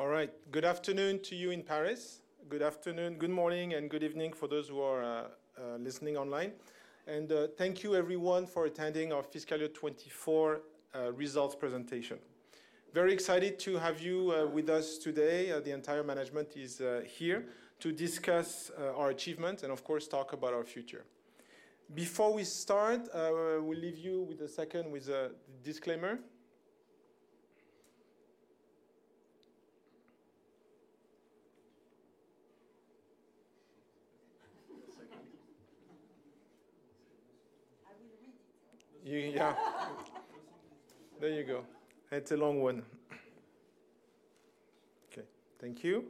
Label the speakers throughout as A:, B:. A: All right. Good afternoon to you in Paris. Good afternoon, good morning, and good evening for those who are listening online. Thank you everyone for attending our fiscal year 2024 results presentation. Very excited to have you with us today. The entire management is here to discuss our achievements and of course, talk about our future. Before we start, we'll leave you with a second with a disclaimer. You, yeah. There you go. It's a long one. Okay, thank you.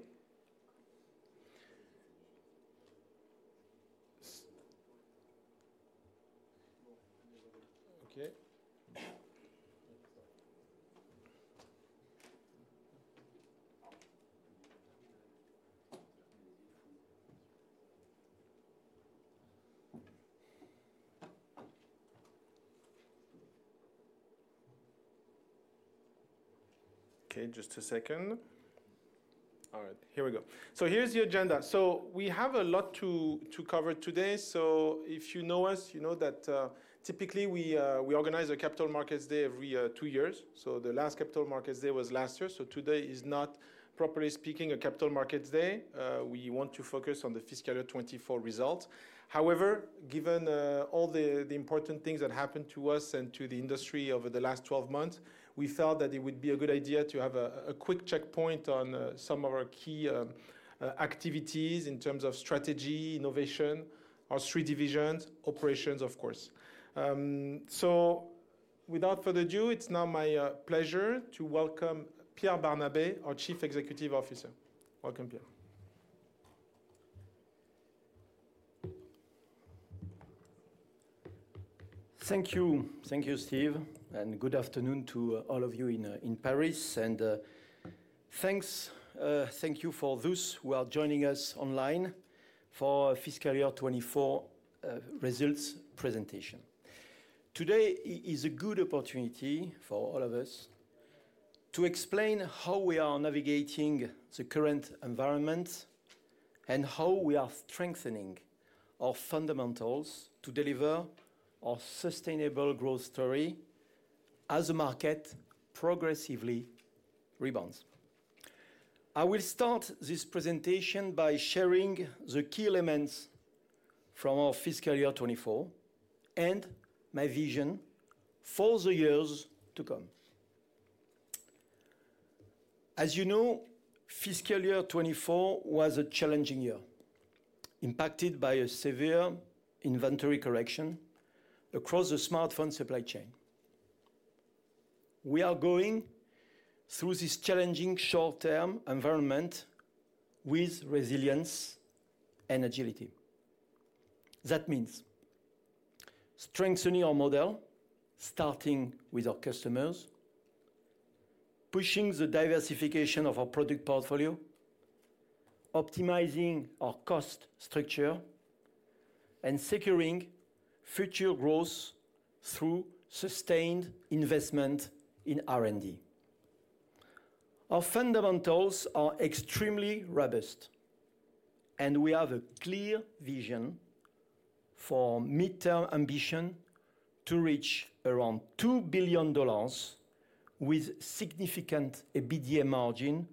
A: Okay. Okay, just a second. All right, here we go. So here's the agenda. So we have a lot to cover today. So if you know us, you know that typically we organize a Capital Markets Day every two years. So the last Capital Markets Day was last year, so today is not, properly speaking, a Capital Markets Day. We want to focus on the fiscal year 2024 results. However, given all the important things that happened to us and to the industry over the last 12 months, we felt that it would be a good idea to have a quick checkpoint on some of our key activities in terms of strategy, innovation, our three divisions, operations, of course. So without further due, it's now my pleasure to welcome Pierre Barnabé, our Chief Executive Officer. Welcome, Pierre.
B: Thank you. Thank you, Steve, and good afternoon to all of you in, in Paris, and, thanks, thank you for those who are joining us online for our fiscal year 2024 results presentation. Today is a good opportunity for all of us to explain how we are navigating the current environment and how we are strengthening our fundamentals to deliver our sustainable growth story as the market progressively rebounds. I will start this presentation by sharing the key elements from our fiscal year 2024, and my vision for the years to come. As you know, fiscal year 2024 was a challenging year, impacted by a severe inventory correction across the smartphone supply chain. We are going through this challenging short-term environment with resilience and agility. That means strengthening our model, starting with our customers, pushing the diversification of our product portfolio, optimizing our cost structure, and securing future growth through sustained investment in R&D. Our fundamentals are extremely robust, and we have a clear vision for mid-term ambition to reach around $2 billion with significant EBITDA margin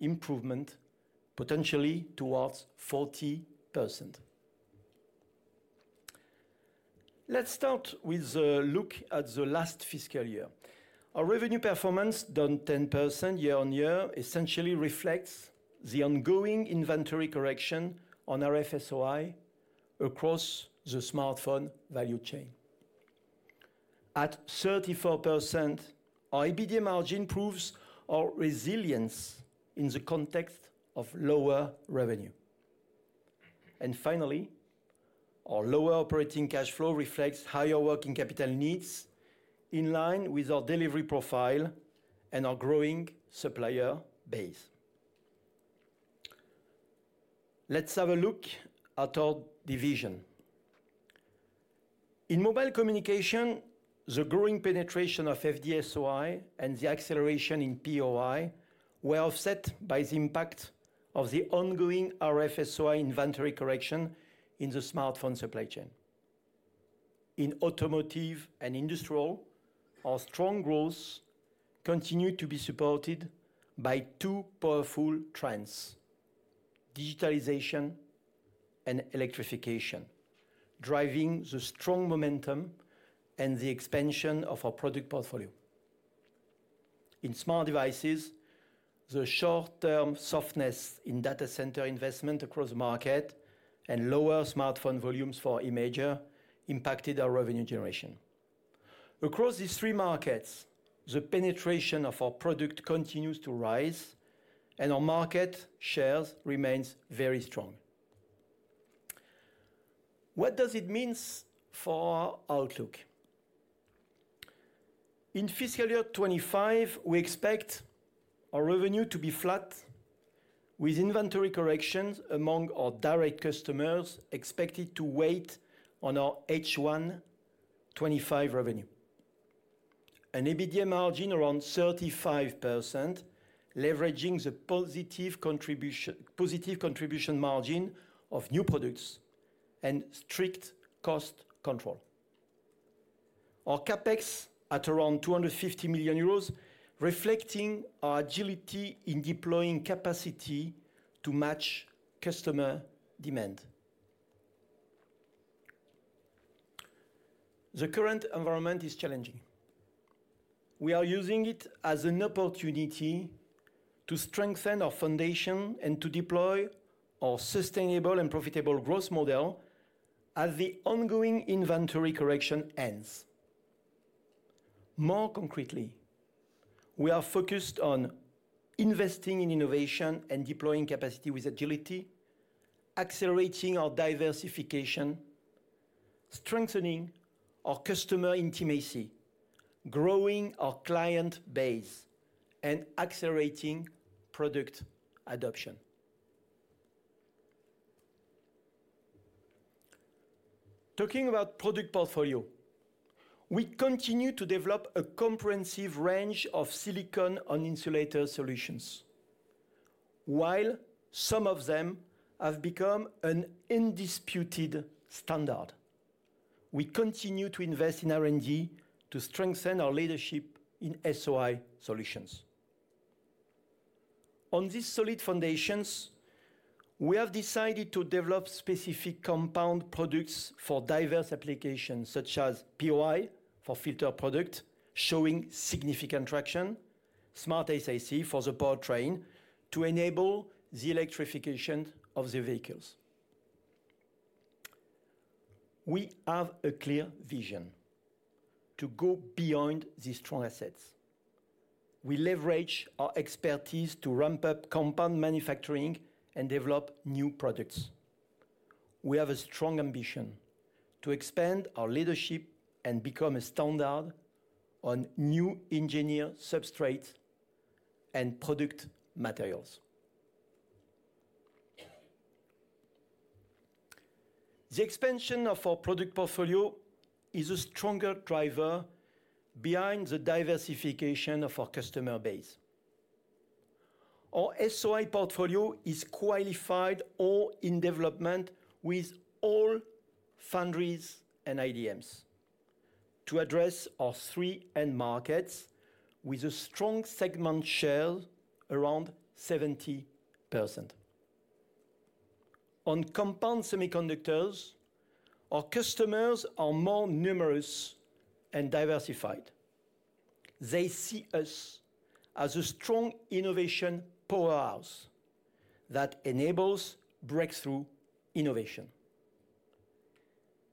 B: improvement, potentially towards 40%. Let's start with a look at the last fiscal year. Our revenue performance, down 10% year-on-year, essentially reflects the ongoing inventory correction on RF-SOI across the smartphone value chain. At 34%, our EBITDA margin proves our resilience in the context of lower revenue. And finally, our lower operating cash flow reflects higher working capital needs, in line with our delivery profile and our growing supplier base. Let's have a look at our division. In Mobile communication, the growing penetration of FD-SOI and the acceleration in POI were offset by the impact of the ongoing RF-SOI inventory correction in the smartphone supply chain. In automotive and industrial, our strong growth continued to be supported by two powerful trends: digitalization and electrification, driving the strong momentum and the expansion of our product portfolio. In smart devices, the short-term softness in data center investment across the market and lower smartphone volumes for imager impacted our revenue generation. Across these three markets, the penetration of our product continues to rise, and our market shares remains very strong. What does it means for our outlook? In fiscal year 2025, we expect our revenue to be flat-... with inventory corrections among our direct customers expected to wait on our H1 2025 revenue. An EBITDA margin around 35%, leveraging the positive contribution, positive contribution margin of new products and strict cost control. Our CapEx at around 250 million euros, reflecting our agility in deploying capacity to match customer demand. The current environment is challenging. We are using it as an opportunity to strengthen our foundation and to deploy our sustainable and profitable growth model as the ongoing inventory correction ends. More concretely, we are focused on investing in innovation and deploying capacity with agility, accelerating our diversification, strengthening our customer intimacy, growing our client base, and accelerating product adoption. Talking about product portfolio, we continue to develop a comprehensive range of silicon on insulator solutions. While some of them have become an undisputed standard, we continue to invest in R&D to strengthen our leadership in SOI solutions. On these solid foundations, we have decided to develop specific compound products for diverse applications, such as POI for filter product, showing significant traction, SmartSiC for the powertrain to enable the electrification of the vehicles. We have a clear vision: to go beyond these strong assets. We leverage our expertise to ramp up compound manufacturing and develop new products. We have a strong ambition to expand our leadership and become a standard on new engineered substrate and product materials. The expansion of our product portfolio is a stronger driver behind the diversification of our customer base. Our SOI portfolio is qualified or in development with all foundries and IDMs to address our three end markets with a strong segment share around 70%. On compound semiconductors, our customers are more numerous and diversified. They see us as a strong innovation powerhouse that enables breakthrough innovation.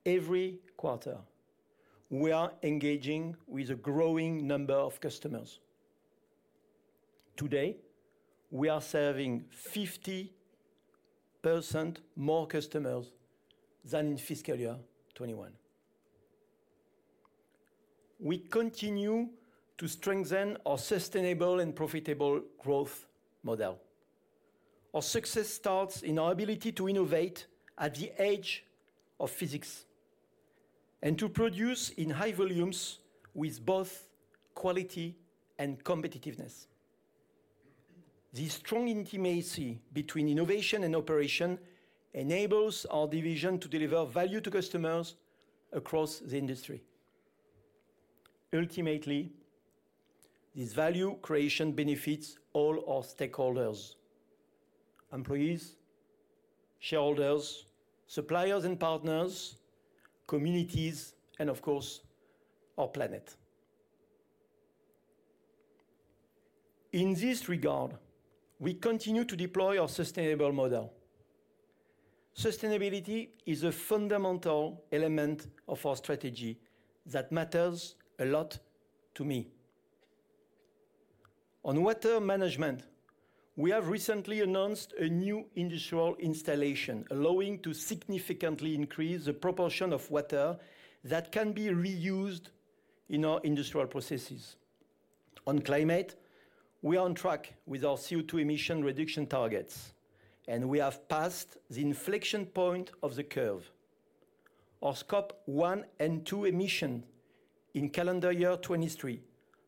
B: Every quarter, we are engaging with a growing number of customers. Today, we are serving 50% more customers than in fiscal year 2021. We continue to strengthen our sustainable and profitable growth model. Our success starts in our ability to innovate at the edge of physics and to produce in high volumes with both quality and competitiveness. This strong intimacy between innovation and operation enables our division to deliver value to customers across the industry. Ultimately, this value creation benefits all our stakeholders, employees, shareholders, suppliers and partners, communities, and of course, our planet. In this regard, we continue to deploy our sustainable model. Sustainability is a fundamental element of our strategy that matters a lot to me. On water management, we have recently announced a new industrial installation, allowing to significantly increase the proportion of water that can be reused in our industrial processes. On climate, we are on track with our CO2 emission reduction targets, and we have passed the inflection point of the curve. Our Scope 1 and 2 emissions in calendar year 2023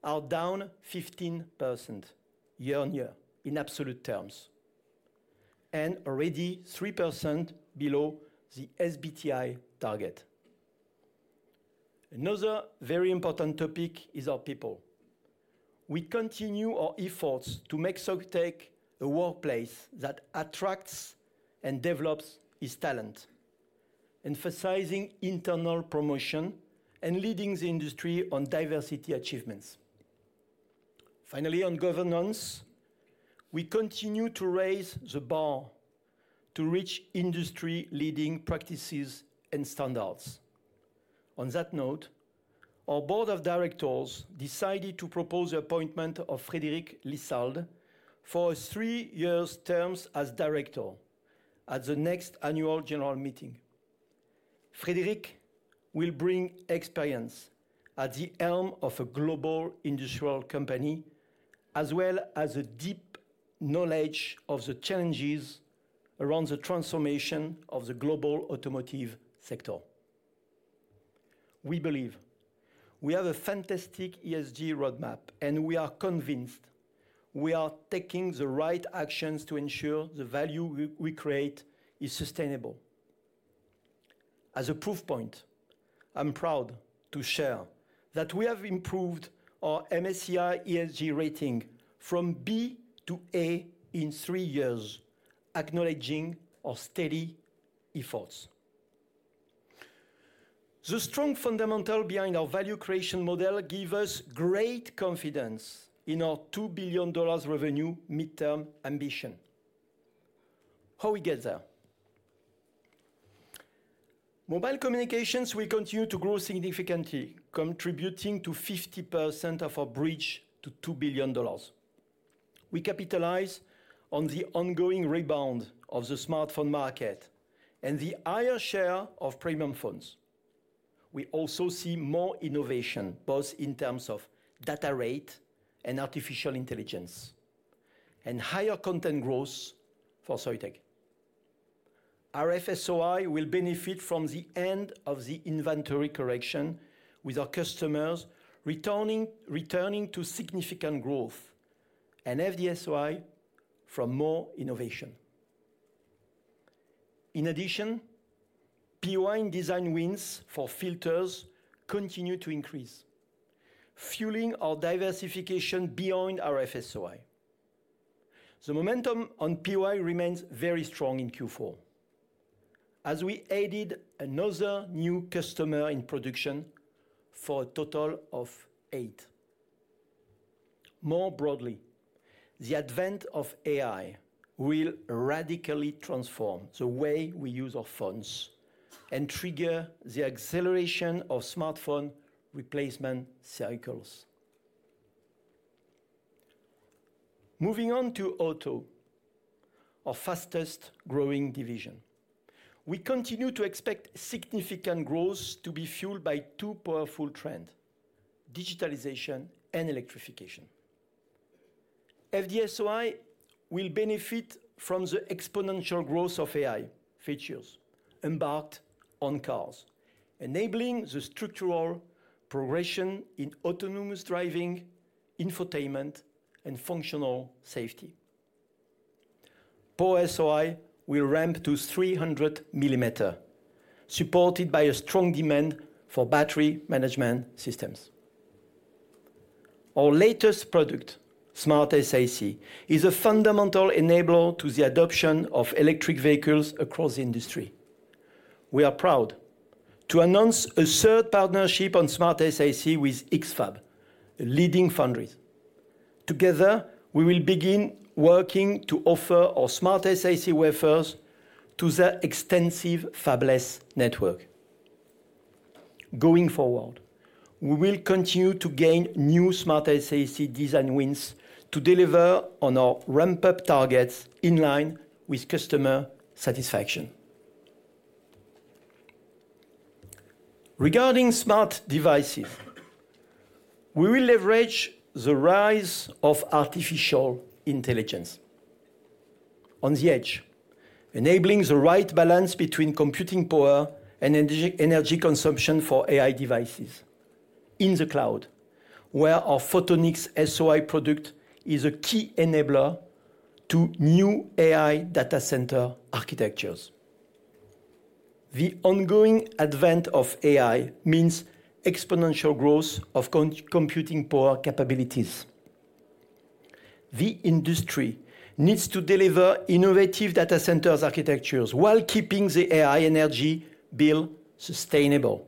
B: are down 15% year-on-year in absolute terms, and already 3% below the SBTi target. Another very important topic is our people. We continue our efforts to make Soitec a workplace that attracts and develops its talent, emphasizing internal promotion and leading the industry on diversity achievements. Finally, on governance, we continue to raise the bar to reach industry leading practices and standards. On that note, our board of directors decided to propose the appointment of Frédéric Lissalde for a three-year term as director at the next annual general meeting. Frédéric will bring experience at the helm of a global industrial company, as well as a deep knowledge of the challenges around the transformation of the global automotive sector. We believe we have a fantastic ESG roadmap, and we are convinced we are taking the right actions to ensure the value we create is sustainable. As a proof point, I'm proud to share that we have improved our MSCI ESG rating from B to A in three years, acknowledging our steady efforts. The strong fundamental behind our value creation model give us great confidence in our $2 billion revenue midterm ambition. How we get there? Mobile communications will continue to grow significantly, contributing to 50% of our bridge to $2 billion. We capitalize on the ongoing rebound of the smartphone market and the higher share of premium phones. We also see more innovation, both in terms of data rate and artificial intelligence, and higher content growth for Soitec. Our RF-SOI will benefit from the end of the inventory correction, with our customers returning to significant growth, and FD-SOI from more innovation. In addition, POI design wins for filters continue to increase, fueling our diversification beyond our RF-SOI. The momentum on POI remains very strong in Q4, as we added another new customer in production for a total of eight. More broadly, the advent of AI will radically transform the way we use our phones and trigger the acceleration of smartphone replacement cycles. Moving on to auto, our fastest growing division. We continue to expect significant growth to be fueled by two powerful trend: digitalization and electrification. FD-SOI will benefit from the exponential growth of AI features embarked on cars, enabling the structural progression in autonomous driving, infotainment, and functional safety. Power-SOI will ramp to 300 mm, supported by a strong demand for battery management systems. Our latest product, SmartSiC™, is a fundamental enabler to the adoption of electric vehicles across the industry. We are proud to announce a third partnership on SmartSiC™ with X-FAB, a leading foundry. Together, we will begin working to offer our SmartSiC™ wafers to their extensive fabless network. Going forward, we will continue to gain new SmartSiC™ design wins to deliver on our ramp-up targets in line with customer satisfaction. Regarding smart devices, we will leverage the rise of artificial intelligence. On the edge, enabling the right balance between computing power and energy consumption for AI devices. In the cloud, where our Photonics-SOI product is a key enabler to new AI data center architectures. The ongoing advent of AI means exponential growth of computing power capabilities. The industry needs to deliver innovative data centers architectures while keeping the AI energy bill sustainable.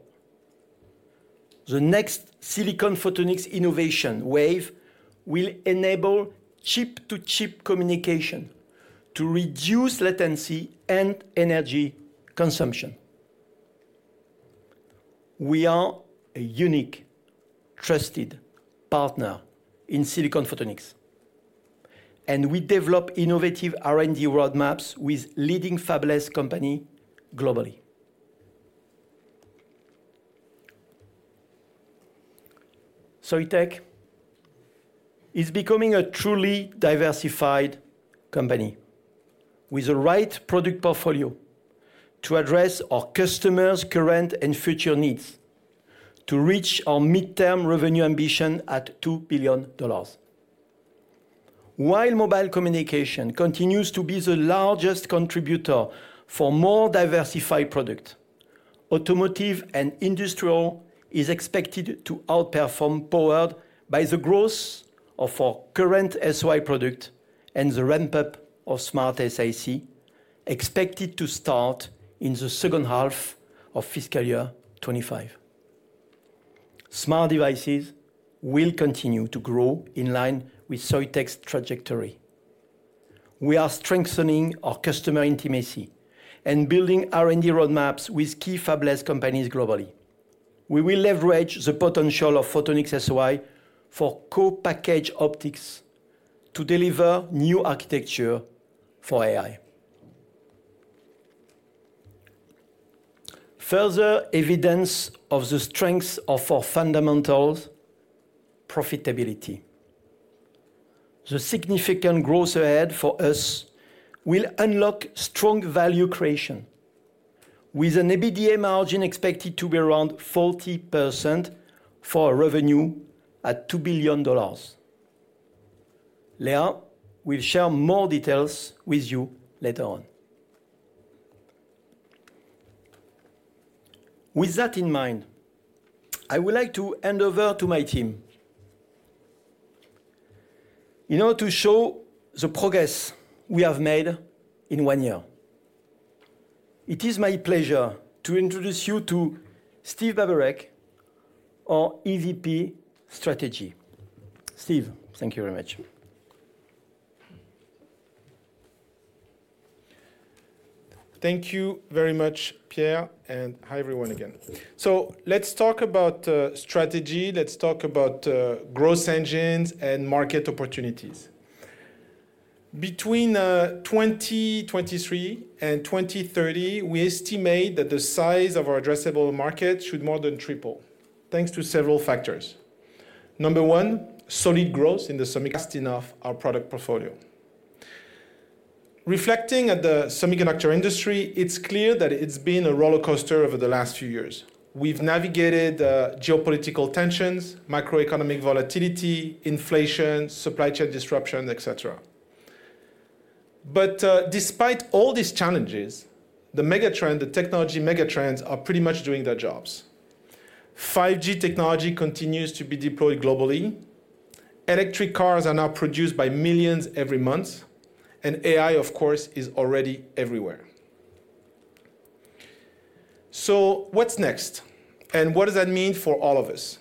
B: The next silicon photonics innovation wave will enable chip-to-chip communication to reduce latency and energy consumption. We are a unique, trusted partner in silicon photonics, and we develop innovative R&D roadmaps with leading fabless company globally. Soitec is becoming a truly diversified company with the right product portfolio to address our customers' current and future needs to reach our midterm revenue ambition at $2 billion. While mobile communication continues to be the largest contributor for more diversified product, automotive and industrial is expected to outperform, powered by the growth of our current SOI product and the ramp-up of SmartSiC, expected to start in the second half of fiscal year 2025. Smart devices will continue to grow in line with Soitec's trajectory. We are strengthening our customer intimacy and building R&D roadmaps with key fabless companies globally... we will leverage the potential of Photonics-SOI for co-packaged optics to deliver new architecture for AI. Further evidence of the strength of our fundamentals, profitability. The significant growth ahead for us will unlock strong value creation, with an EBITDA margin expected to be around 40% for a revenue at $2 billion. Léa will share more details with you later on. With that in mind, I would like to hand over to my team. In order to show the progress we have made in one year, it is my pleasure to introduce you to Steve Babureck, our EVP Strategy. Steve, thank you very much.
A: Thank you very much, Pierre, and hi, everyone, again. So let's talk about strategy. Let's talk about growth engines and market opportunities. Between 2023 and 2030, we estimate that the size of our addressable market should more than triple, thanks to several factors. Number one, solid growth in the semiconductor of our product portfolio. Reflecting at the semiconductor industry, it's clear that it's been a rollercoaster over the last few years. We've navigated geopolitical tensions, macroeconomic volatility, inflation, supply chain disruption, et cetera. But despite all these challenges, the mega trend, the technology mega trends are pretty much doing their jobs. 5G technology continues to be deployed globally, electric cars are now produced by millions every month, and AI, of course, is already everywhere. So what's next, and what does that mean for all of us?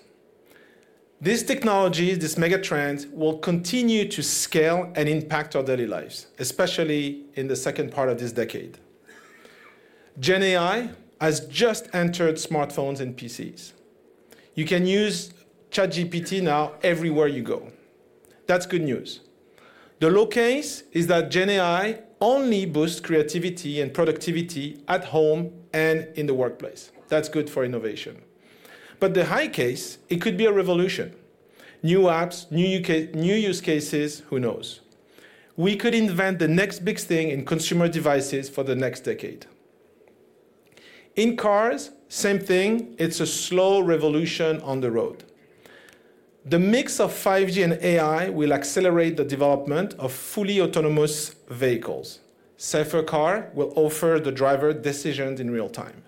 A: These technologies, these mega trends, will continue to scale and impact our daily lives, especially in the second part of this decade. Gen AI has just entered smartphones and PCs. You can use ChatGPT now everywhere you go. That's good news. The low case is that Gen AI only boosts creativity and productivity at home and in the workplace. That's good for innovation. But the high case, it could be a revolution, new apps, new use cases, who knows? We could invent the next big thing in consumer devices for the next decade. In cars, same thing, it's a slow revolution on the road. The mix of 5G and AI will accelerate the development of fully autonomous vehicles. Safer car will offer the driver decisions in real time.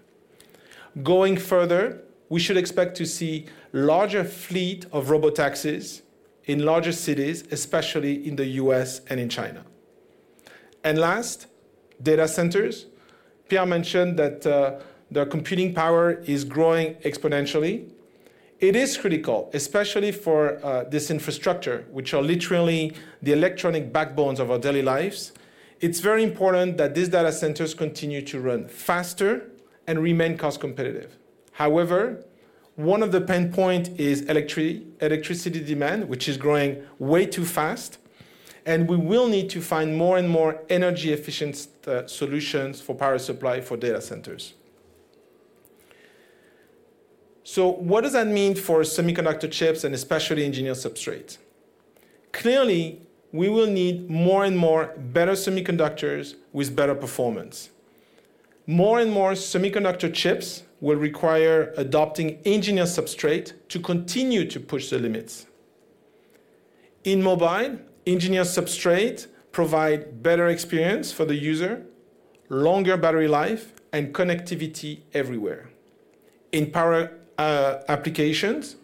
A: Going further, we should expect to see larger fleet of robotaxis in larger cities, especially in the U.S. and in China. And last, data centers. Pierre mentioned that, the computing power is growing exponentially. It is critical, especially for, this infrastructure, which are literally the electronic backbones of our daily lives. It's very important that these data centers continue to run faster and remain cost competitive. However, one of the pain point is electricity demand, which is growing way too fast, and we will need to find more and more energy efficient, solutions for power supply for data centers. So what does that mean for semiconductor chips and especially engineered substrates? Clearly, we will need more and more better semiconductors with better performance. More and more semiconductor chips will require adopting engineered substrate to continue to push the limits. In mobile, engineered substrates provide better experience for the user, longer battery life, and connectivity everywhere. In power applications,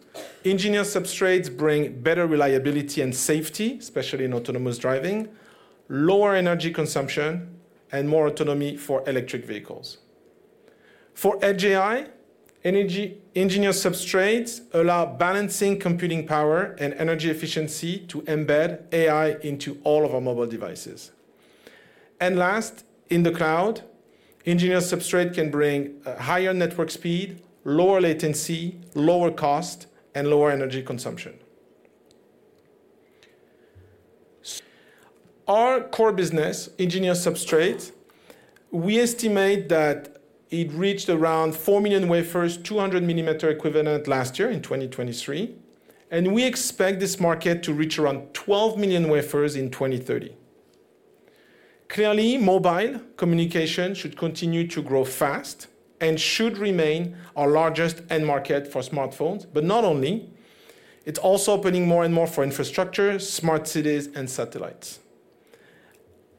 A: engineered substrates bring better reliability and safety, especially in autonomous driving, lower energy consumption, and more autonomy for electric vehicles. For Edge AI, engineered substrates allow balancing computing power and energy efficiency to embed AI into all of our mobile devices. Last, in the cloud, engineered substrates can bring higher network speed, lower latency, lower cost, and lower energy consumption. Our core business, engineered substrates, we estimate that it reached around 4 million wafers, 200 mm equivalent last year in 2023, and we expect this market to reach around 12 million wafers in 2030. Clearly, mobile communication should continue to grow fast and should remain our largest end market for smartphones. But not only, it's also opening more and more for infrastructure, smart cities, and satellites.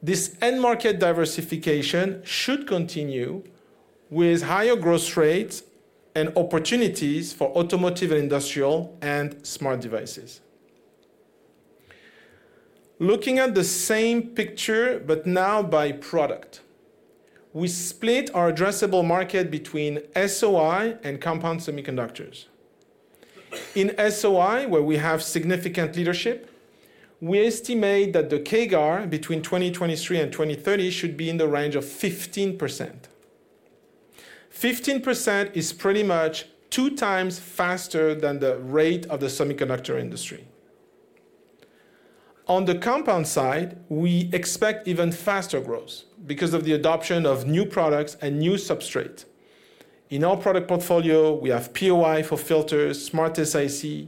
A: This end market diversification should continue with higher growth rates and opportunities for automotive and industrial and smart devices. Looking at the same picture, but now by product, we split our addressable market between SOI and compound semiconductors. In SOI, where we have significant leadership, we estimate that the CAGR between 2023 and 2030 should be in the range of 15%. 15% is pretty much two times faster than the rate of the semiconductor industry. On the compound side, we expect even faster growth because of the adoption of new products and new substrate. In our product portfolio, we have POI for filters, SmartSiC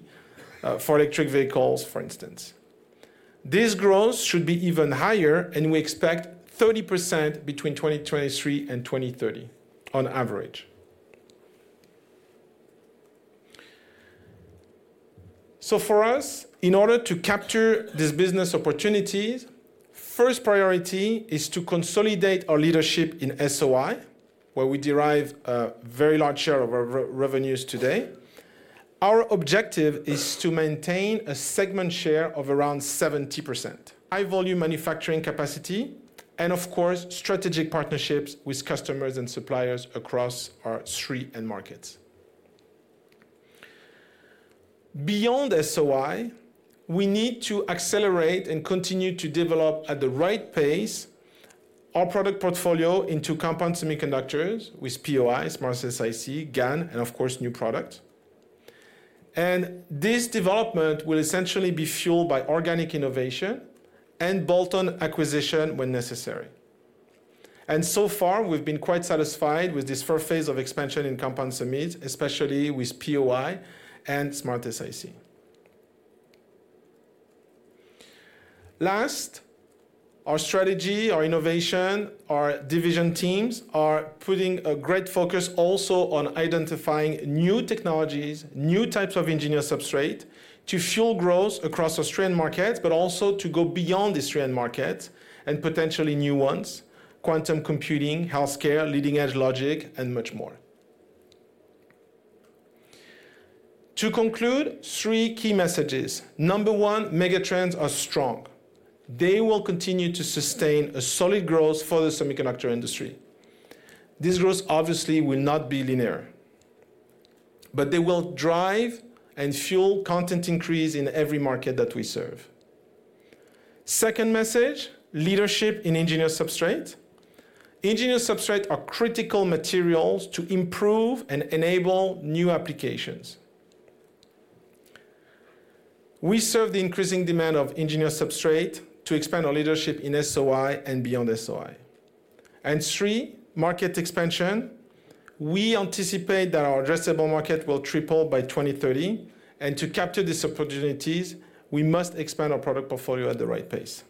A: for electric vehicles, for instance. This growth should be even higher, and we expect 30% between 2023 and 2030 on average. So for us, in order to capture these business opportunities, first priority is to consolidate our leadership in SOI, where we derive a very large share of our revenues today. Our objective is to maintain a segment share of around 70%, high volume manufacturing capacity, and of course, strategic partnerships with customers and suppliers across our end markets. Beyond SOI, we need to accelerate and continue to develop at the right pace our product portfolio into compound semiconductors with POI, SmartSiC, GaN, and of course, new products. And this development will essentially be fueled by organic innovation and bolt-on acquisition when necessary. And so far, we've been quite satisfied with this first phase of expansion in compound semis, especially with POI and SmartSiC. Last, our strategy, our innovation, our division teams are putting a great focus also on identifying new technologies, new types of engineered substrate to fuel growth across Asian markets, but also to go beyond Asian markets and potentially new ones, quantum computing, healthcare, leading-edge logic, and much more. To conclude, three key messages. Number one, megatrends are strong. They will continue to sustain a solid growth for the semiconductor industry. This growth obviously will not be linear, but they will drive and fuel content increase in every market that we serve. Second message, leadership in engineered substrate. Engineered substrate are critical materials to improve and enable new applications. We serve the increasing demand of engineered substrate to expand our leadership in SOI and beyond SOI. Three, market expansion. We anticipate that our addressable market will triple by 2030, and to capture these opportunities, we must expand our product portfolio at the right pace.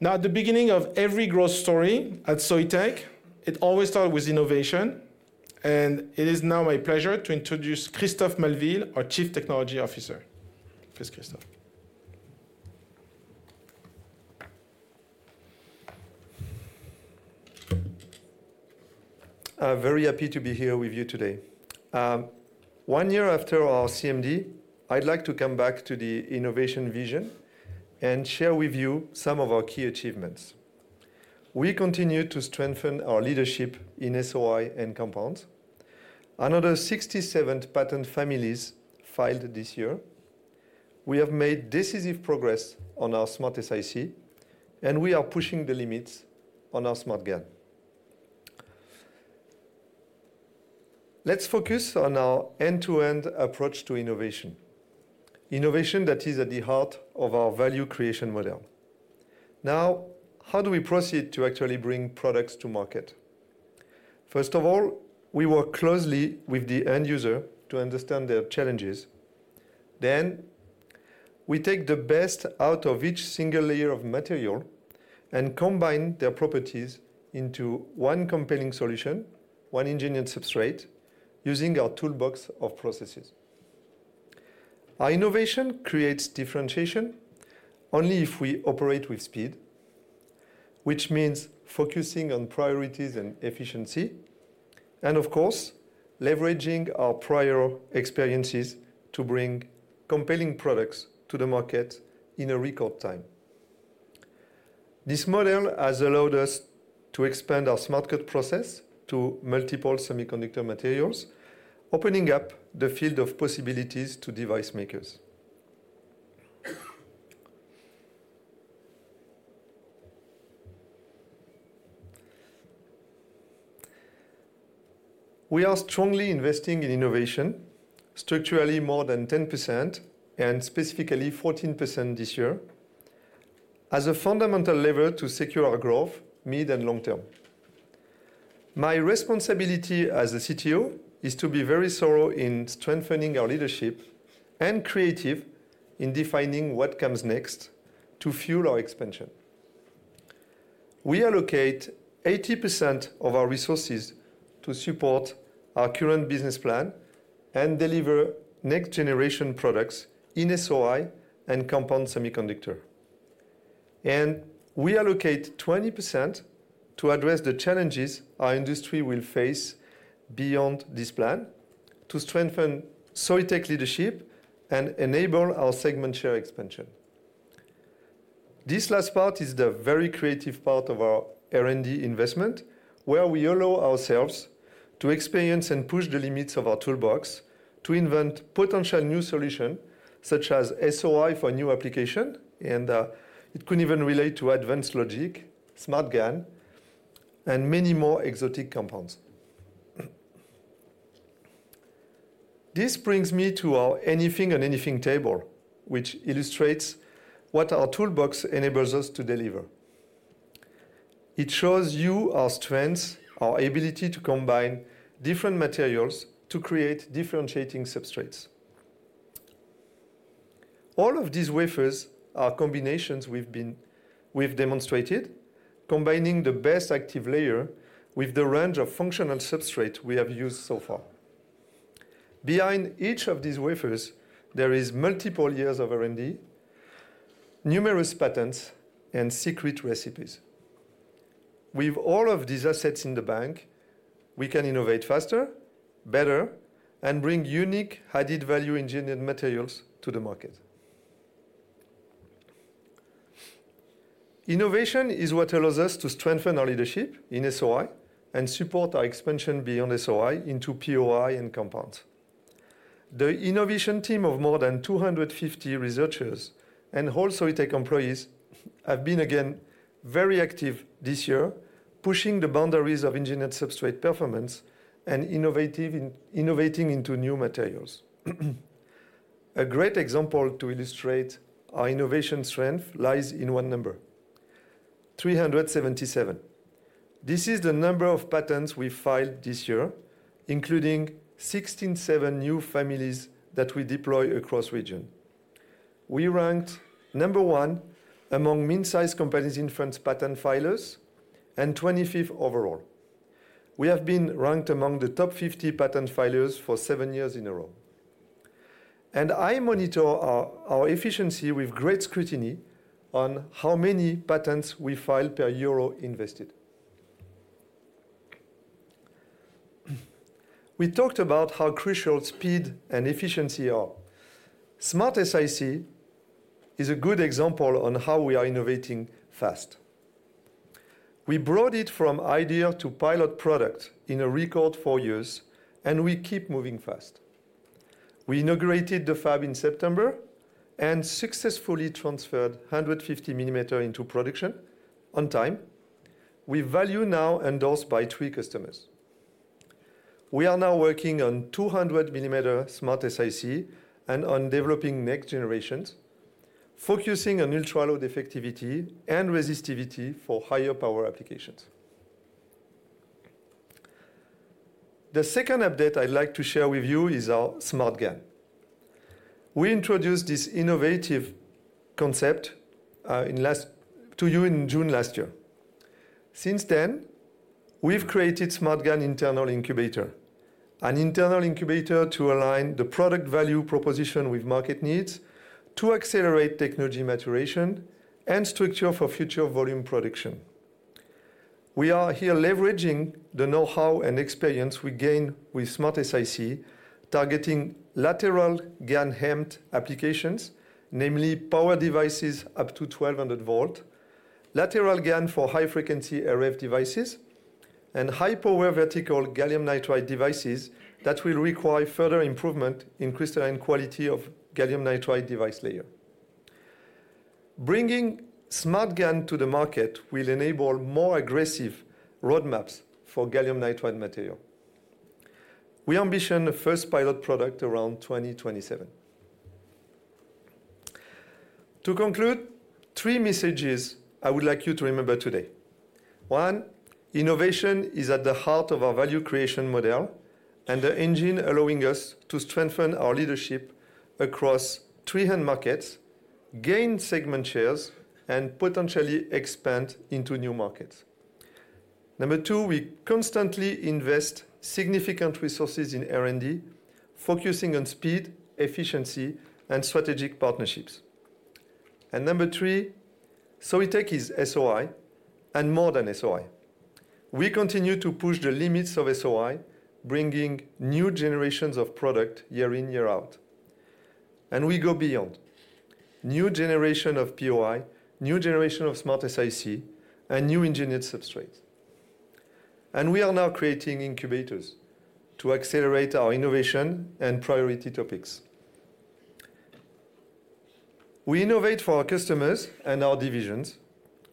A: Now, at the beginning of every growth story at Soitec, it always started with innovation, and it is now my pleasure to introduce Christophe Maleville, our Chief Technology Officer. Please, Christophe.
C: I'm very happy to be here with you today. One year after our CMD, I'd like to come back to the innovation vision and share with you some of our key achievements. We continue to strengthen our leadership in SOI and compounds. Another 67 patent families filed this year. We have made decisive progress on our SmartSiC, and we are pushing the limits on our SmartGaN. Let's focus on our end-to-end approach to innovation. Innovation that is at the heart of our value creation model. Now, how do we proceed to actually bring products to market? First of all, we work closely with the end user to understand their challenges. Then, we take the best out of each single layer of material and combine their properties into one compelling solution, one engineered substrate, using our toolbox of processes. Our innovation creates differentiation only if we operate with speed, which means focusing on priorities and efficiency, and of course, leveraging our prior experiences to bring compelling products to the market in a record time. This model has allowed us to expand our Smart Cut process to multiple semiconductor materials, opening up the field of possibilities to device makers. We are strongly investing in innovation, structurally more than 10%, and specifically 14% this year, as a fundamental lever to secure our growth, mid and long term. My responsibility as a CTO is to be very thorough in strengthening our leadership and creative in defining what comes next to fuel our expansion. We allocate 80% of our resources to support our current business plan and deliver next-generation products in SOI and compound semiconductor. We allocate 20% to address the challenges our industry will face beyond this plan to strengthen Soitec leadership and enable our segment share expansion. This last part is the very creative part of our R&D investment, where we allow ourselves to experience and push the limits of our toolbox to invent potential new solution, such as SOI for new application, and it could even relate to advanced logic, SmartGaN, and many more exotic compounds. This brings me to our anything and anything table, which illustrates what our toolbox enables us to deliver. It shows you our strengths, our ability to combine different materials to create differentiating substrates. All of these wafers are combinations we've demonstrated, combining the best active layer with the range of functional substrate we have used so far. Behind each of these wafers, there is multiple years of R&D, numerous patents, and secret recipes. With all of these assets in the bank, we can innovate faster, better, and bring unique, added-value, engineered materials to the market. Innovation is what allows us to strengthen our leadership in SOI and support our expansion beyond SOI into POI and compounds. The innovation team of more than 250 researchers and whole Soitec employees have been, again, very active this year, pushing the boundaries of engineered substrate performance and innovating into new materials. A great example to illustrate our innovation strength lies in one number: 377. This is the number of patents we filed this year, including 67 new families that we deploy across region. We ranked number one among mid-sized companies in France patent filers and 25th overall. We have been ranked among the top 50 patent filers for seven years in a row, and I monitor our efficiency with great scrutiny on how many patents we file per EUR invested. We talked about how crucial speed and efficiency are. SmartSiC is a good example on how we are innovating fast. We brought it from idea to pilot product in a record four years, and we keep moving fast. We inaugurated the fab in September and successfully transferred 150 mm into production on time, with value now endorsed by three customers. We are now working on 200 mm SmartSiC and on developing next generations, focusing on ultra-low defectivity and resistivity for higher power applications. The second update I'd like to share with you is our SmartGaN. We introduced this innovative concept to you in June last year. Since then, we've created SmartGaN internal incubator, an internal incubator to align the product value proposition with market needs to accelerate technology maturation and structure for future volume production. We are here leveraging the know-how and experience we gain with SmartSiC, targeting lateral GaN HEMT applications, namely power devices up to 1,200 volt, lateral GaN for high-frequency RF devices, and high-power vertical gallium nitride devices that will require further improvement in crystalline quality of gallium nitride device layer. Bringing SmartGaN to the market will enable more aggressive roadmaps for gallium nitride material. We ambition the first pilot product around 2027. To conclude, three messages I would like you to remember today. One, innovation is at the heart of our value creation model and the engine allowing us to strengthen our leadership across three end markets, gain segment shares, and potentially expand into new markets. Number two, we constantly invest significant resources in R&D, focusing on speed, efficiency, and strategic partnerships. And number three, Soitec is SOI and more than SOI. We continue to push the limits of SOI, bringing new generations of product year in, year out, and we go beyond. New generation of POI, new generation of SmartSiC, and new engineered substrates. And we are now creating incubators to accelerate our innovation and priority topics. We innovate for our customers and our divisions,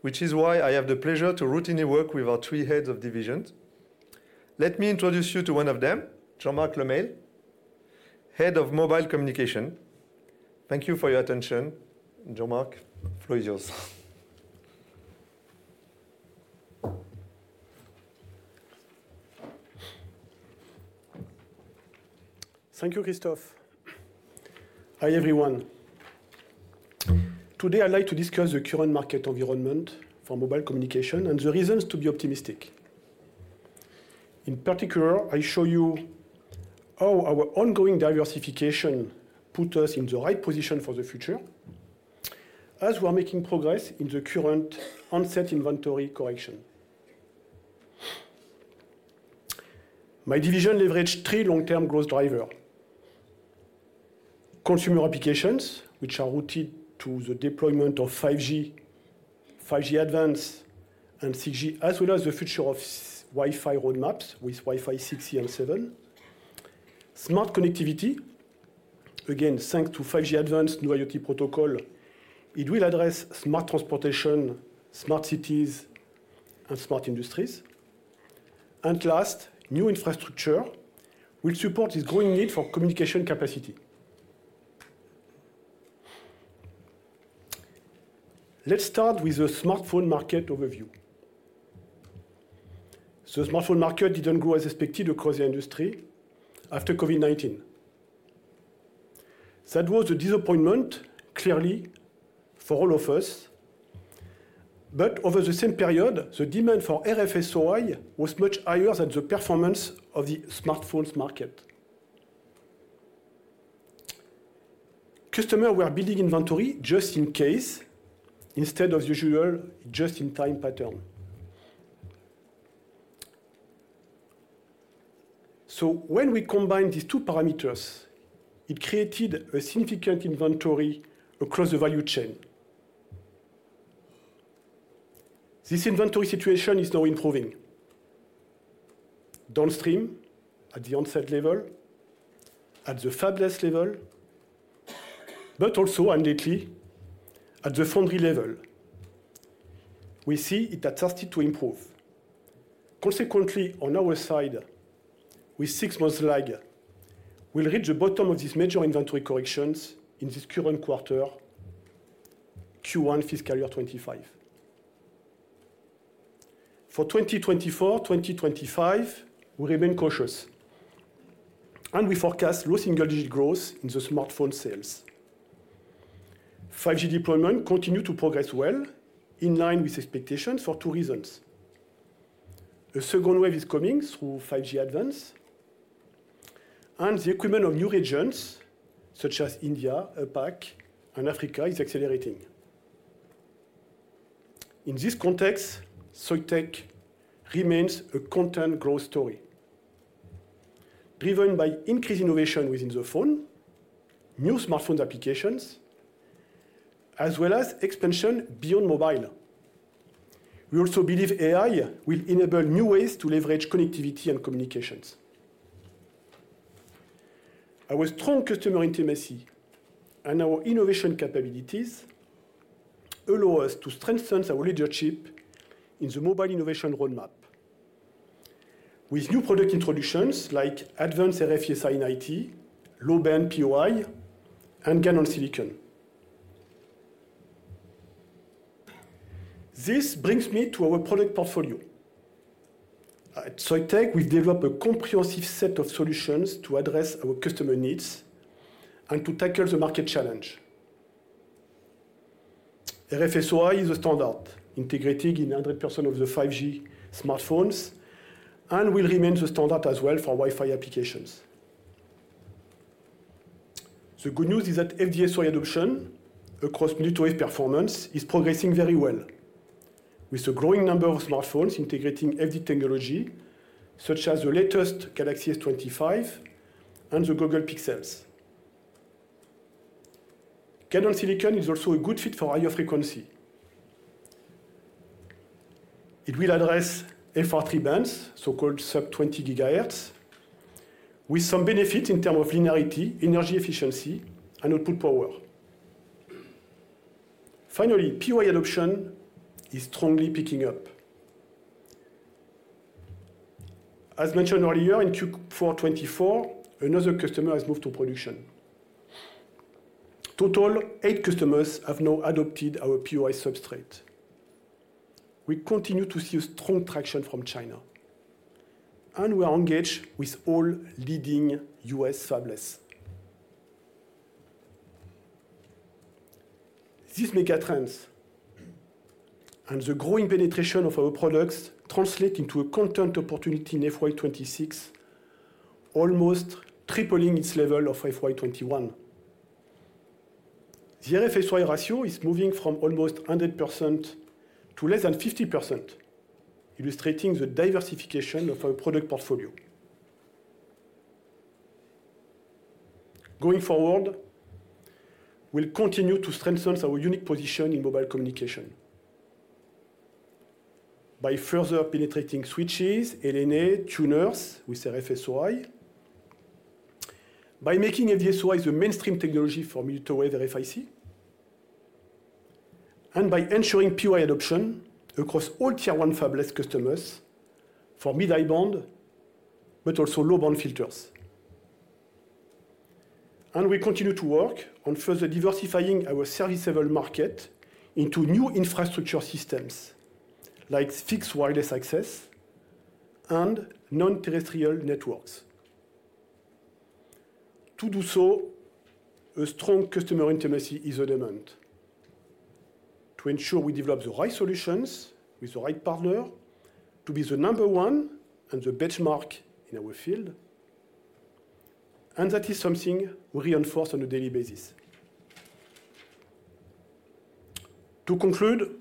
C: which is why I have the pleasure to routinely work with our three heads of divisions. Let me introduce you to one of them, Jean-Marc Le Meil, Head of Mobile Communication. Thank you for your attention. Jean-Marc, the floor is yours.
D: Thank you, Christophe. Hi, everyone. Today, I'd like to discuss the current market environment for mobile communication and the reasons to be optimistic. In particular, I show you how our ongoing diversification put us in the right position for the future, as we are making progress in the current onset inventory correction.... My division leverage three long-term growth driver. Consumer applications, which are rooted to the deployment of 5G, 5G Advanced, and 6G, as well as the future of Wi-Fi roadmaps with Wi-Fi 6 and 7. Smart connectivity, again, thanks to 5G Advanced new IoT protocol, it will address smart transportation, smart cities, and smart industries. Last, new infrastructure will support this growing need for communication capacity. Let's start with the smartphone market overview. The smartphone market didn't go as expected across the industry after COVID-19. That was a disappointment, clearly, for all of us, but over the same period, the demand for RF-SOI was much higher than the performance of the smartphones market. Customers were building inventory just in case instead of usual, just-in-time pattern. So when we combine these two parameters, it created a significant inventory across the value chain. This inventory situation is now improving. Downstream at the OEM level, at the fabless level, but also and lately, at the foundry level, we see it starting to improve. Consequently, on our side, with six months lag, we'll reach the bottom of this major inventory corrections in this current quarter, Q1 fiscal year 2025. For 2024, 2025, we remain cautious, and we forecast low single-digit growth in the smartphone sales. 5G deployment continue to progress well, in line with expectations for two reasons. The second wave is coming through 5G Advanced, and the equipment of new regions such as India, APAC, and Africa is accelerating. In this context, Soitec remains a content growth story, driven by increased innovation within the phone, new smartphone applications, as well as expansion beyond mobile. We also believe AI will enable new ways to leverage connectivity and communications. Our strong customer intimacy and our innovation capabilities allow us to strengthen our leadership in the mobile innovation roadmap. With new product introductions like advanced RF-SOI 90, low-band POI, and GaN-on-Silicon. This brings me to our product portfolio. At Soitec, we develop a comprehensive set of solutions to address our customer needs and to tackle the market challenge. RF-SOI is a standard, integrating in 100% of the 5G smartphones and will remain the standard as well for Wi-Fi applications. The good news is that FD-SOI adoption across mmWave performance is progressing very well, with a growing number of smartphones integrating FD technology, such as the latest Galaxy S25 and the Google Pixels. GaN-on-Silicon is also a good fit for higher frequency. It will address FR3 bands, so-called sub-20 GHz, with some benefit in term of linearity, energy efficiency, and output power. Finally, POI adoption is strongly picking up. As mentioned earlier, in Q4 2024, another customer has moved to production. Total, eight customers have now adopted our POI substrate. We continue to see a strong traction from China, and we are engaged with all leading U.S. fabless. These megatrends and the growing penetration of our products translate into a content opportunity in FY 2026, almost tripling its level of FY 2021. The RF-SOI ratio is moving from almost 100% to less than 50%, illustrating the diversification of our product portfolio. Going forward, we'll continue to strengthen our unique position in mobile communication by further penetrating switches, LNA, tuners with RF-SOI, by making FD-SOI the mainstream technology for mmWave RFIC, and by ensuring POI adoption across all Tier One fabless customers for mid-band, but also low-band filters. We continue to work on further diversifying our serviceable market into new infrastructure systems like fixed wireless access and non-terrestrial networks. To do so, a strong customer intimacy is a demand. To ensure we develop the right solutions with the right partner, to be the number one and the benchmark in our field, and that is something we reinforce on a daily basis.... To conclude,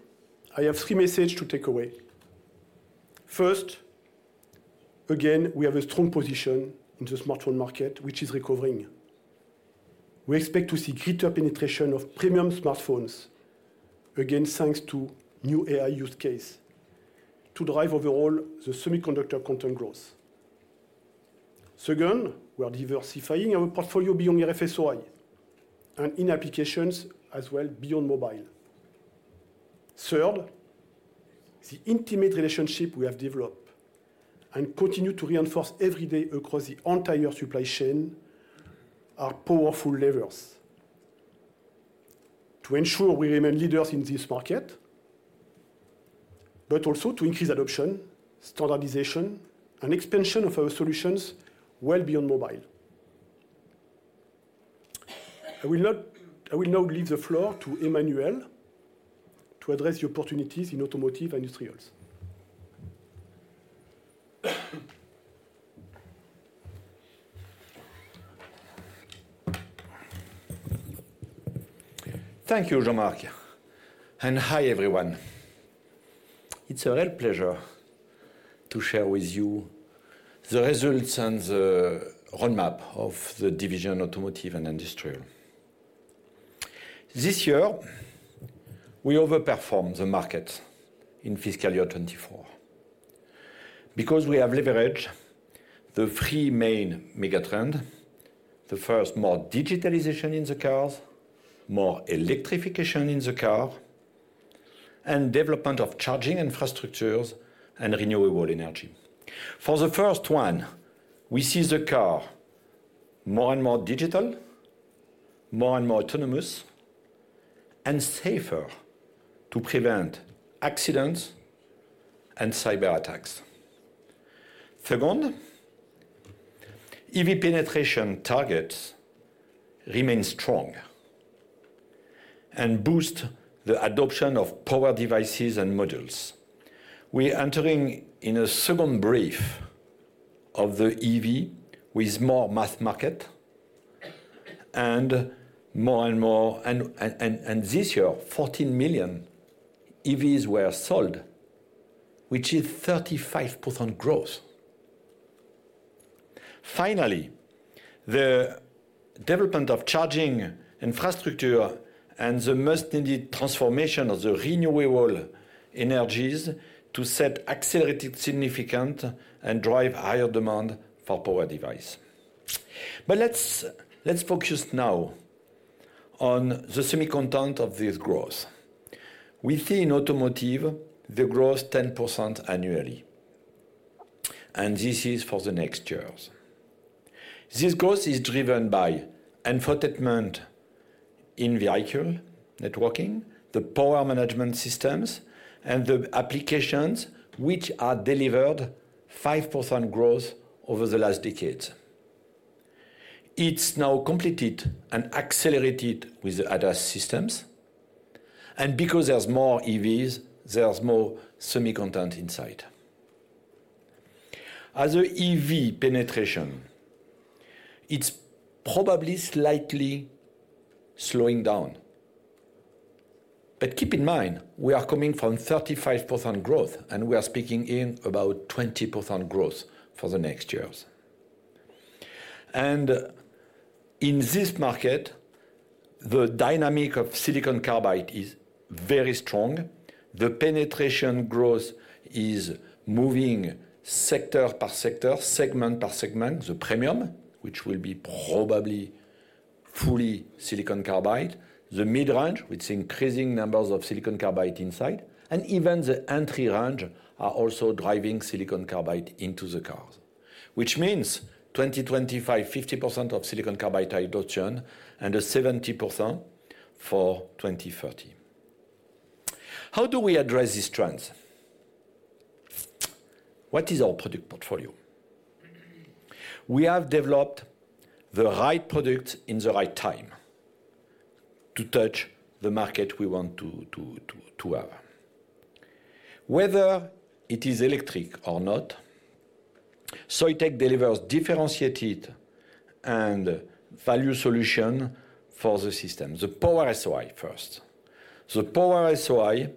D: I have three messages to take away. First, again, we have a strong position in the smartphone market, which is recovering. We expect to see greater penetration of premium smartphones, again, thanks to new AI use case, to drive overall the semiconductor content growth. Second, we are diversifying our portfolio beyond FD-SOI, and in applications as well beyond mobile. Third, the intimate relationship we have developed and continue to reinforce every day across the entire supply chain are powerful levers to ensure we remain leaders in this market, but also to increase adoption, standardization, and expansion of our solutions well beyond mobile. I will now leave the floor to Emmanuel to address the opportunities in automotive and industrials.
E: Thank you, Jean-Marc, and hi, everyone. It's a real pleasure to share with you the results and the roadmap of the division, Automotive and Industrial. This year, we overperformed the market in fiscal year 2024 because we have leveraged the three main mega trend. The first, more digitalization in the cars, more electrification in the car, and development of charging infrastructures and renewable energy. For the first one, we see the car more and more digital, more and more autonomous, and safer to prevent accidents and cyberattacks. Second, EV penetration targets remain strong and boost the adoption of power devices and modules. We entering in a second brief of the EV with more mass market and more and more. And this year, 14 million EVs were sold, which is 35% growth. Finally, the development of charging infrastructure and the most needed transformation of the renewable energies to set accelerated significant and drive higher demand for power device. But let's, let's focus now on the semi content of this growth. We see in automotive, the growth 10% annually, and this is for the next years. This growth is driven by infotainment in vehicle networking, the power management systems, and the applications which are delivered 5% growth over the last decades. It's now completed and accelerated with the ADAS systems, and because there's more EVs, there's more semiconductor inside. As a EV penetration, it's probably slightly slowing down. But keep in mind, we are coming from 35% growth, and we are speaking in about 20% growth for the next years. And in this market, the dynamic of silicon carbide is very strong. The penetration growth is moving sector per sector, segment per segment, the premium, which will probably be fully silicon carbide, the mid-range, with increasing numbers of silicon carbide inside, and even the entry range are also driving silicon carbide into the cars. Which means 2025, 50% of silicon carbide adoption and a 70% for 2030. How do we address these trends? What is our product portfolio? We have developed the right product in the right time to touch the market we want to have. Whether it is electric or not, Soitec delivers differentiated and value solution for the system. The Power-SOI first. The Power-SOI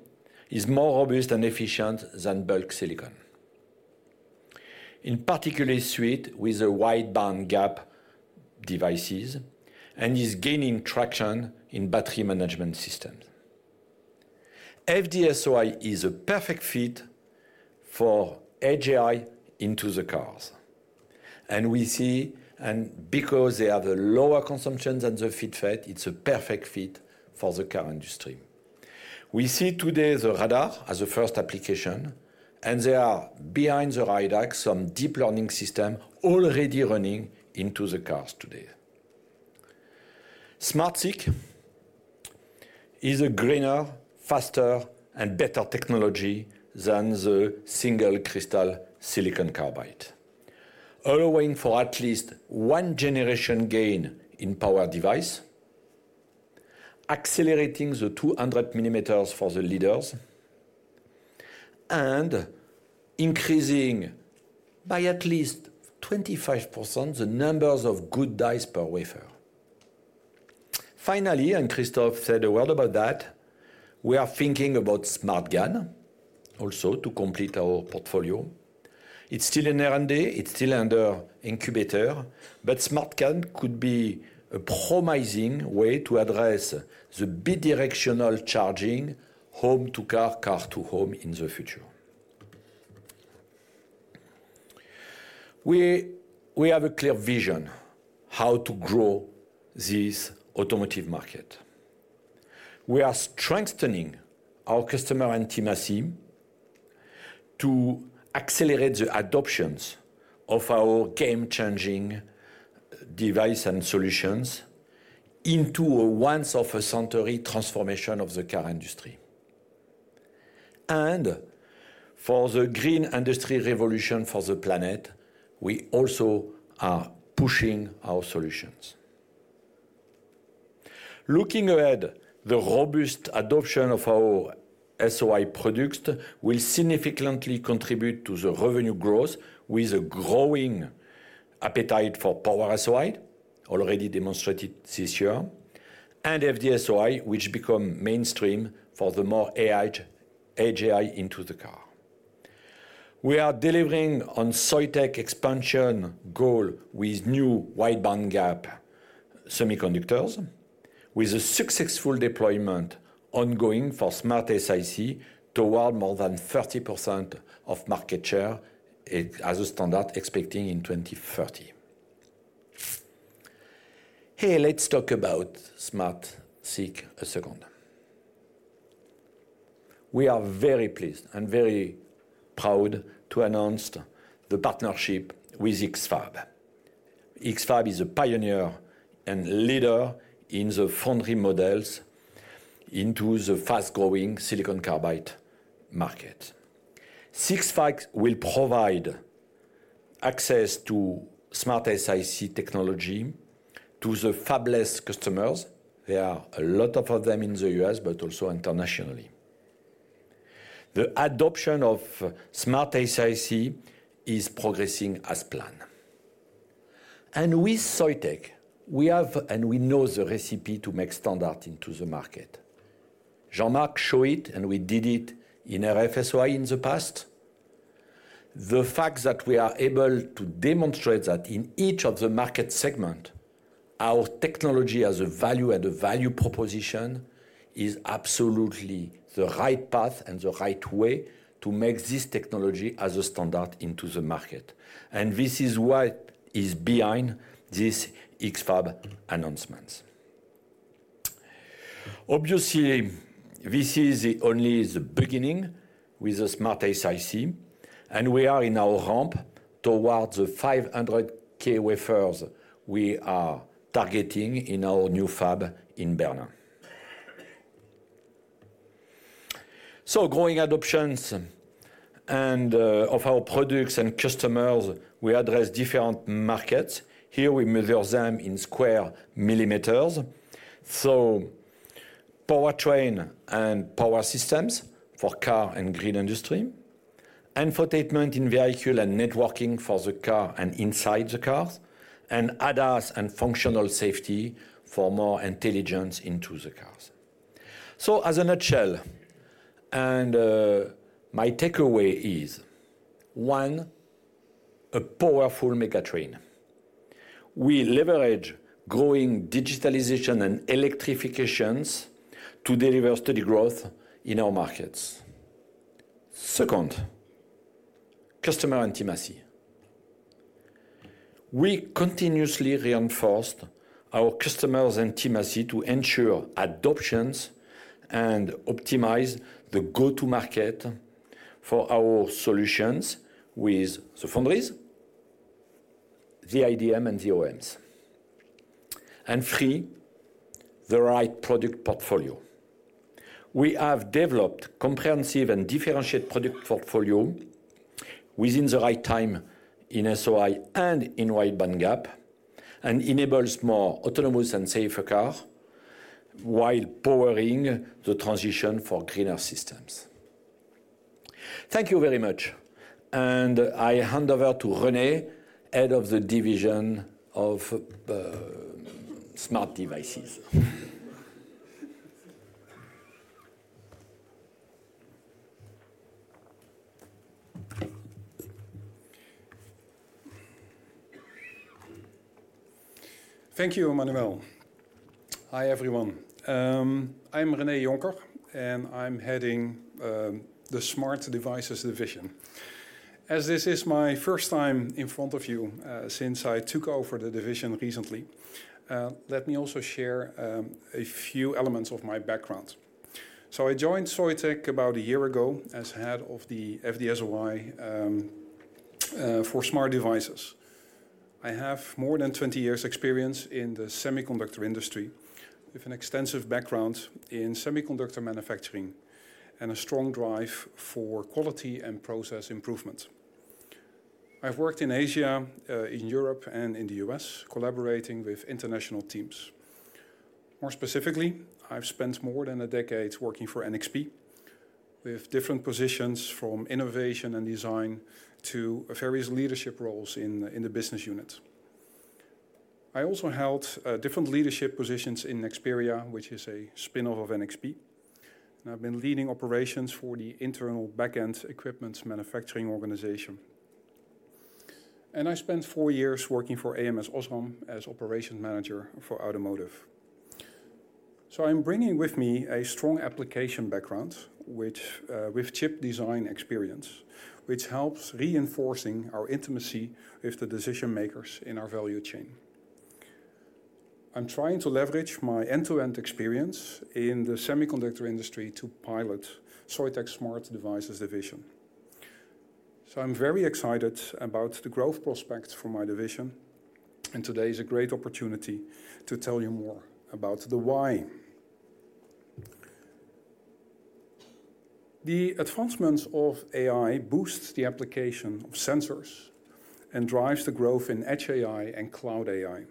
E: is more robust and efficient than bulk silicon. In particular, suited with wide-bandgap devices and is gaining traction in battery management systems. FD-SOI is a perfect fit for AI into the cars. Because they have a lower consumption than the FIT Fed, it's a perfect fit for the car industry. We see today the radar as a first application, and they are behind the radar, some deep learning system already running into the cars today. SmartSiC is a greener, faster, and better technology than the single-crystal silicon carbide, allowing for at least one generation gain in power device, accelerating the 200 mm for the leaders and increasing by at least 25% the numbers of good dies per wafer. Finally, and Christophe said a word about that, we are thinking about SmartGaN, also to complete our portfolio. It's still in R&D, it's still under incubator, but SmartGaN could be a promising way to address the bi-directional charging, home to car, car to home, in the future. We have a clear vision how to grow this automotive market. We are strengthening our customer intimacy to accelerate the adoptions of our game-changing device and solutions into a once-of-a-century transformation of the car industry. For the green industry revolution for the planet, we also are pushing our solutions. Looking ahead, the robust adoption of our SOI products will significantly contribute to the revenue growth, with a growing appetite for Power-SOI, already demonstrated this year, and FDSOI, which become mainstream for the more AI - AGI into the car. We are delivering on Soitec expansion goal with new wide bandgap semiconductors, with a successful deployment ongoing for SmartSiC toward more than 30% of market share, as a standard, expecting in 2030. Hey, let's talk about SmartSiC a second. We are very pleased and very proud to announce the partnership with X-FAB. X-FAB is a pioneer and leader in the foundry models into the fast-growing silicon carbide market. SiC fabs will provide access to SmartSiC technology to the fabless customers. There are a lot of them in the U.S., but also internationally. The adoption of SmartSiC is progressing as planned. With Soitec, we have and we know the recipe to make standard into the market. Jean-Marc showed it, and we did it in RF-SOI in the past. The fact that we are able to demonstrate that in each of the market segment, our technology as a value and a value proposition, is absolutely the right path and the right way to make this technology as a standard into the market, and this is what is behind this X-FAB announcements. Obviously, this is only the beginning with the SmartSiC, and we are in our ramp towards the 500,000 wafers we are targeting in our new fab in Bernin. Growing adoptions and of our products and customers, we address different markets. Here, we measure them in square millimeters. Powertrain and power systems for car and grid industry, infotainment in vehicle and networking for the car and inside the cars, and ADAS and functional safety for more intelligence into the cars. In a nutshell, my takeaway is, one, a powerful megatrend. We leverage growing digitalization and electrifications to deliver steady growth in our markets. Second, customer intimacy. We continuously reinforced our customers' intimacy to ensure adoptions and optimize the go-to-market for our solutions with the foundries, the IDM, and the OEMs. And three, the right product portfolio. We have developed comprehensive and differentiated product portfolio within the right time in SOI and in wide bandgap, and enables more autonomous and safer car, while powering the transition for greener systems. Thank you very much, and I hand over to René, head of the division of smart devices.
F: Thank you, Emmanuel. Hi, everyone. I'm René Jonker, and I'm heading the Smart Devices division. As this is my first time in front of you since I took over the division recently, let me also share a few elements of my background. So I joined Soitec about a year ago as head of the FD-SOI for smart devices. I have more than 20 years' experience in the semiconductor industry, with an extensive background in semiconductor manufacturing and a strong drive for quality and process improvement. I've worked in Asia, in Europe, and in the U.S., collaborating with international teams. More specifically, I've spent more than a decade working for NXP, with different positions from innovation and design to various leadership roles in the business unit. I also held different leadership positions in Nexperia, which is a spin-off of NXP, and I've been leading operations for the internal backend equipment manufacturing organization. And I spent four years working for AMS OSRAM as operations manager for automotive. So I'm bringing with me a strong application background, which with chip design experience, which helps reinforcing our intimacy with the decision makers in our value chain. I'm trying to leverage my end-to-end experience in the semiconductor industry to pilot Soitec's Smart Devices Division. So I'm very excited about the growth prospects for my division, and today is a great opportunity to tell you more about the why. The advancements of AI boosts the application of sensors and drives the growth in edge AI and cloud AI.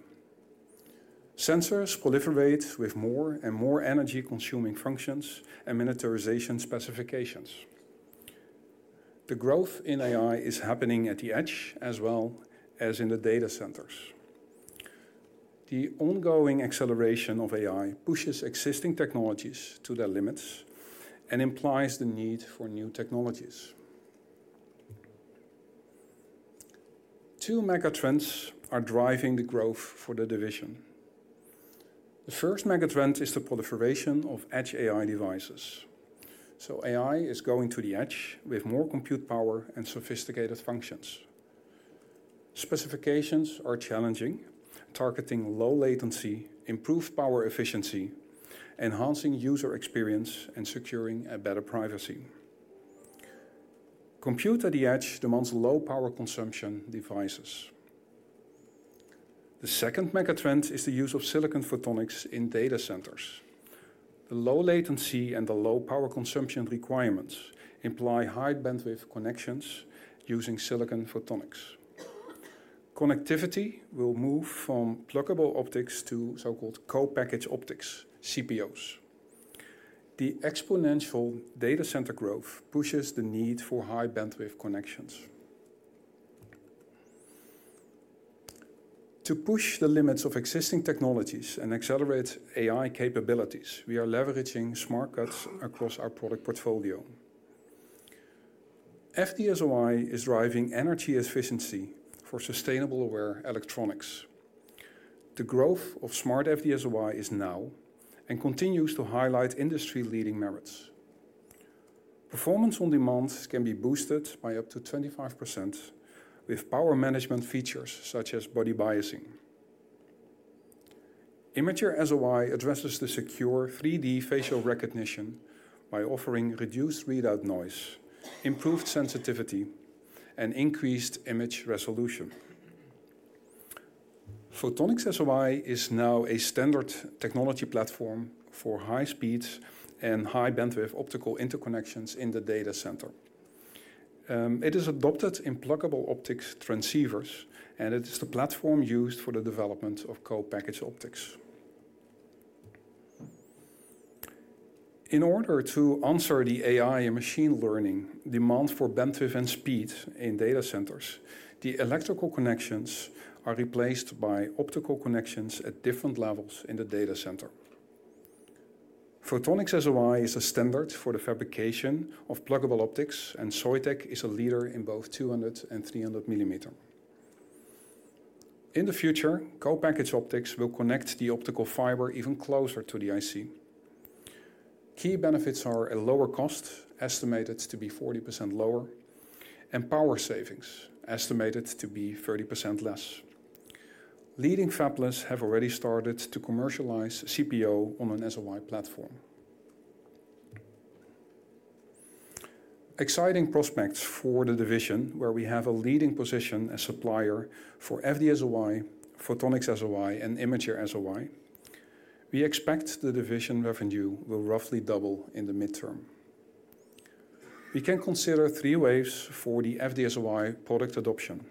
F: Sensors proliferate with more and more energy-consuming functions and miniaturization specifications. The growth in AI is happening at the edge as well as in the data centers. The ongoing acceleration of AI pushes existing technologies to their limits and implies the need for new technologies. Two megatrends are driving the growth for the division. The first megatrend is the proliferation of edge AI devices. So AI is going to the edge with more compute power and sophisticated functions. Specifications are challenging, targeting low latency, improved power efficiency, enhancing user experience, and securing a better privacy. Compute at the edge demands low power consumption devices. The second megatrend is the use of silicon photonics in data centers. The low latency and the low power consumption requirements imply high bandwidth connections using silicon photonics. Connectivity will move from pluggable optics to so-called co-packaged optics, CPOs. The exponential data center growth pushes the need for high bandwidth connections. To push the limits of existing technologies and accelerate AI capabilities, we are leveraging smart cuts across our product portfolio. FD-SOI is driving energy efficiency for sustainable-aware electronics. The growth of smart FD-SOI is now and continues to highlight industry-leading merits. Performance on demands can be boosted by up to 25% with power management features, such as body biasing. Imager-SOI addresses the secure 3D facial recognition by offering reduced readout noise, improved sensitivity, and increased image resolution. Photonics-SOI is now a standard technology platform for high speeds and high bandwidth optical interconnections in the data center. It is adopted in pluggable optics transceivers, and it is the platform used for the development of co-package optics. In order to answer the AI and machine learning demand for bandwidth and speed in data centers, the electrical connections are replaced by optical connections at different levels in the data center. Photonics-SOI is a standard for the fabrication of pluggable optics, and Soitec is a leader in both 200 and 300 mm. In the future, co-packaged optics will connect the optical fiber even closer to the IC. Key benefits are a lower cost, estimated to be 40% lower, and power savings, estimated to be 30% less. Leading fabless have already started to commercialize CPO on an SOI platform. Exciting prospects for the division, where we have a leading position as supplier for FD-SOI, Photonics-SOI, and Imager-SOI. We expect the division revenue will roughly double in the mid-term. We can consider three waves for the FD-SOI product adoption.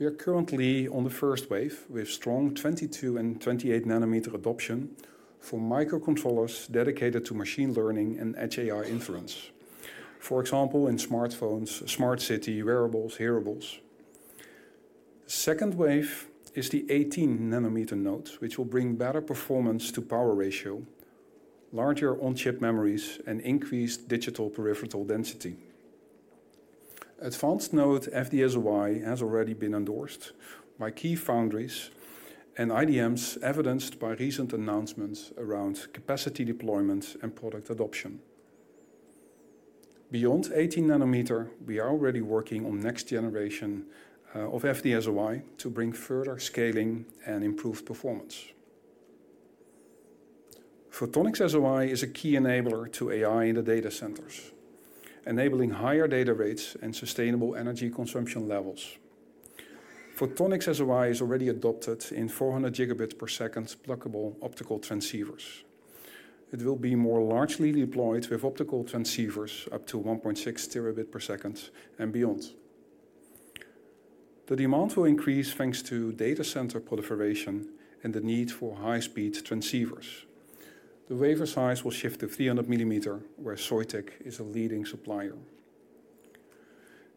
F: We are currently on the first wave, with strong 22 and 28 nm adoption for microcontrollers dedicated to machine learning and edge AI inference. For example, in smartphones, smart city, wearables, hearables. Second wave is the 18 nm node, which will bring better performance to power ratio, larger on-chip memories, and increased digital peripheral density. Advanced node FD-SOI has already been endorsed by key foundries and IDMs, evidenced by recent announcements around capacity deployment and product adoption. Beyond 18 nanometer, we are already working on next generation of FD-SOI to bring further scaling and improved performance. Photonics-SOI is a key enabler to AI in the data centers, enabling higher data rates and sustainable energy consumption levels. Photonics-SOI is already adopted in 400 Gbps pluggable optical transceivers. It will be more largely deployed with optical transceivers up to 1.6 Tbps and beyond. The demand will increase, thanks to data center proliferation and the need for high-speed transceivers. The wafer size will shift to 300 mm, where Soitec is a leading supplier.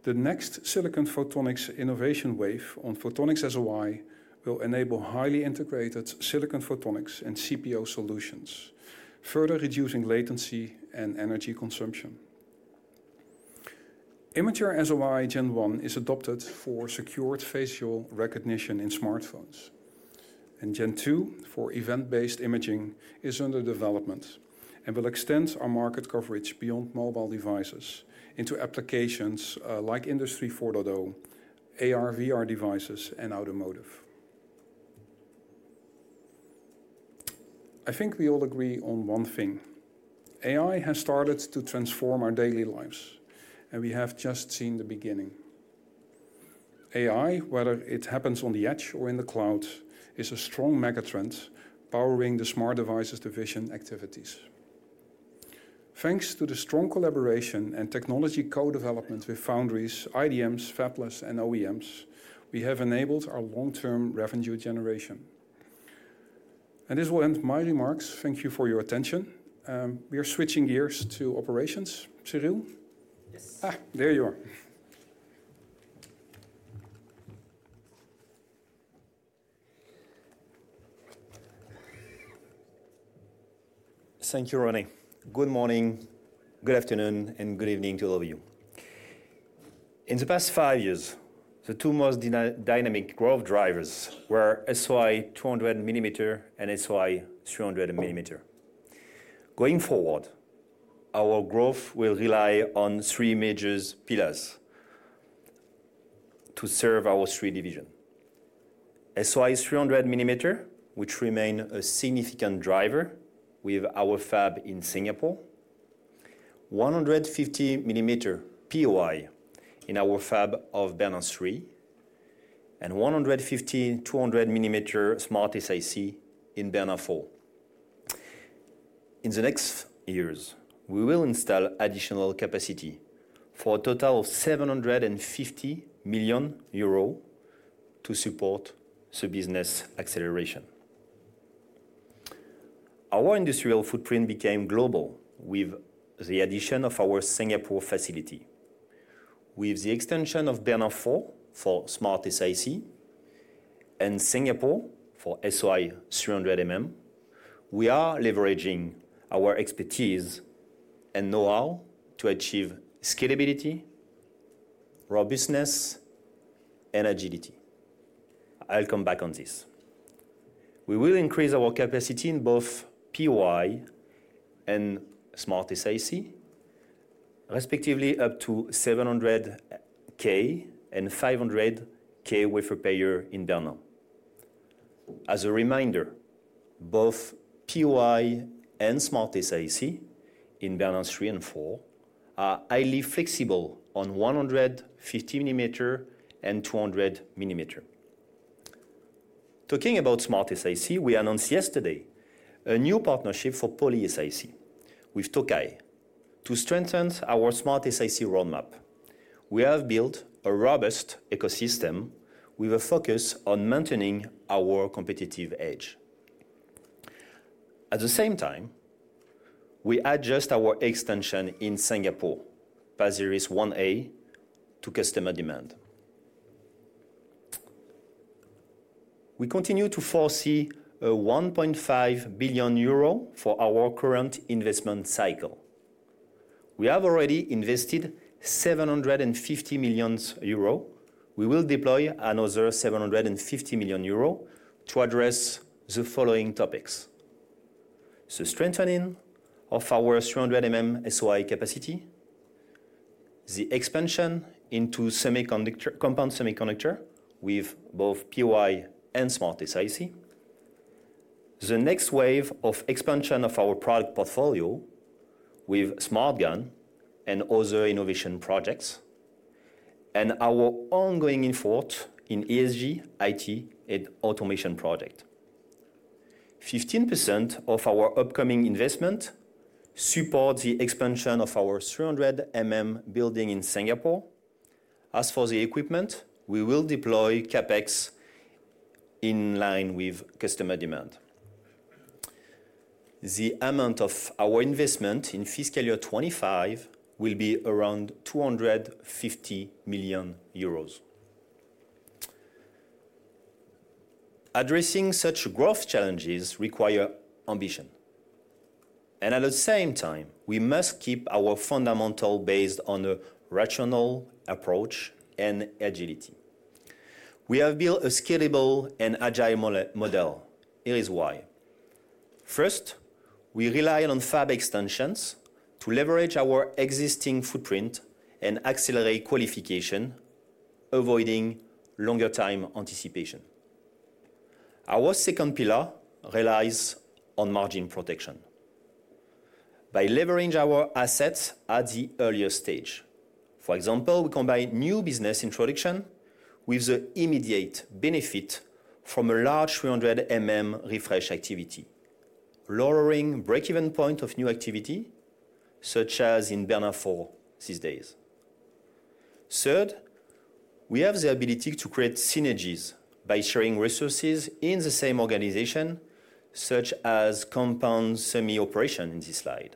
F: The next Silicon Photonics innovation wave on Photonics-SOI will enable highly integrated Silicon Photonics and CPO solutions, further reducing latency and energy consumption. Imager-SOI Gen 1 is adopted for secured facial recognition in smartphones, and Gen 2, for event-based imaging, is under development and will extend our market coverage beyond mobile devices into applications like Industry 4.0, AR/VR devices, and automotive. I think we all agree on one thing: AI has started to transform our daily lives, and we have just seen the beginning. AI, whether it happens on the edge or in the cloud, is a strong megatrend powering the smart devices division activities. Thanks to the strong collaboration and technology co-development with foundries, IDMs, fabless, and OEMs, we have enabled our long-term revenue generation. This will end my remarks. Thank you for your attention. We are switching gears to operations. Cyril?
G: Yes.
F: Ah, there you are.
G: Thank you, René. Good morning, good afternoon, and good evening to all of you. In the past five years, the two most dynamic growth drivers were SOI 200 mm and SOI 300 mm. Going forward, our growth will rely on three major pillars to serve our three divisions: SOI 300 mm, which remain a significant driver with our fab in Singapore, 150 mm POI in our fab of Bernin 3, and 150-200 mm SmartSiC in Bernin 4. In the next years, we will install additional capacity for a total of 750 million euros to support the business acceleration. Our industrial footprint became global with the addition of our Singapore facility. With the extension of Bernin 4 for SmartSiC and Singapore for SOI 300 mm, we are leveraging our expertise and know-how to achieve scalability, robustness, and agility. I'll come back on this. We will increase our capacity in both POI and SmartSiC, respectively, up to 700,000 and 500,000 wafers per year in Bernin. As a reminder, both POI and SmartSiC in Bernin 3 and 4 are highly flexible on 150 mm and 200 mm. Talking about SmartSiC, we announced yesterday a new partnership for PolySiC with Tokai to strengthen our SmartSiC roadmap. We have built a robust ecosystem with a focus on maintaining our competitive edge. At the same time, we adjust our extension in Singapore, Phase 1A, to customer demand. We continue to foresee 1.5 billion euro for our current investment cycle. We have already invested 750 million euro. We will deploy another 750 million euro to address the following topics: the strengthening of our 300 mm SOI capacity, the expansion into semiconductors—compound semiconductors with both POI and SmartSiC™, the next wave of expansion of our product portfolio with SmartGaN™ and other innovation projects, and our ongoing effort in ESG, IT, and automation project. 15% of our upcoming investment support the expansion of our 300 mm building in Singapore. As for the equipment, we will deploy CapEx in line with customer demand. The amount of our investment in fiscal year 2025 will be around EUR 250 million. Addressing such growth challenges require ambition, and at the same time, we must keep our fundamental based on a rational approach and agility. We have built a scalable and agile model. Here is why. First, we rely on fab extensions to leverage our existing footprint and accelerate qualification, avoiding longer time anticipation. Our second pillar relies on margin protection, by leveraging our assets at the earlier stage. For example, we combine new business introduction with the immediate benefit from a large 300 mm refresh activity, lowering break-even point of new activity, such as in Bernin 4 these days. Third, we have the ability to create synergies by sharing resources in the same organization, such as compound semi operation in this slide.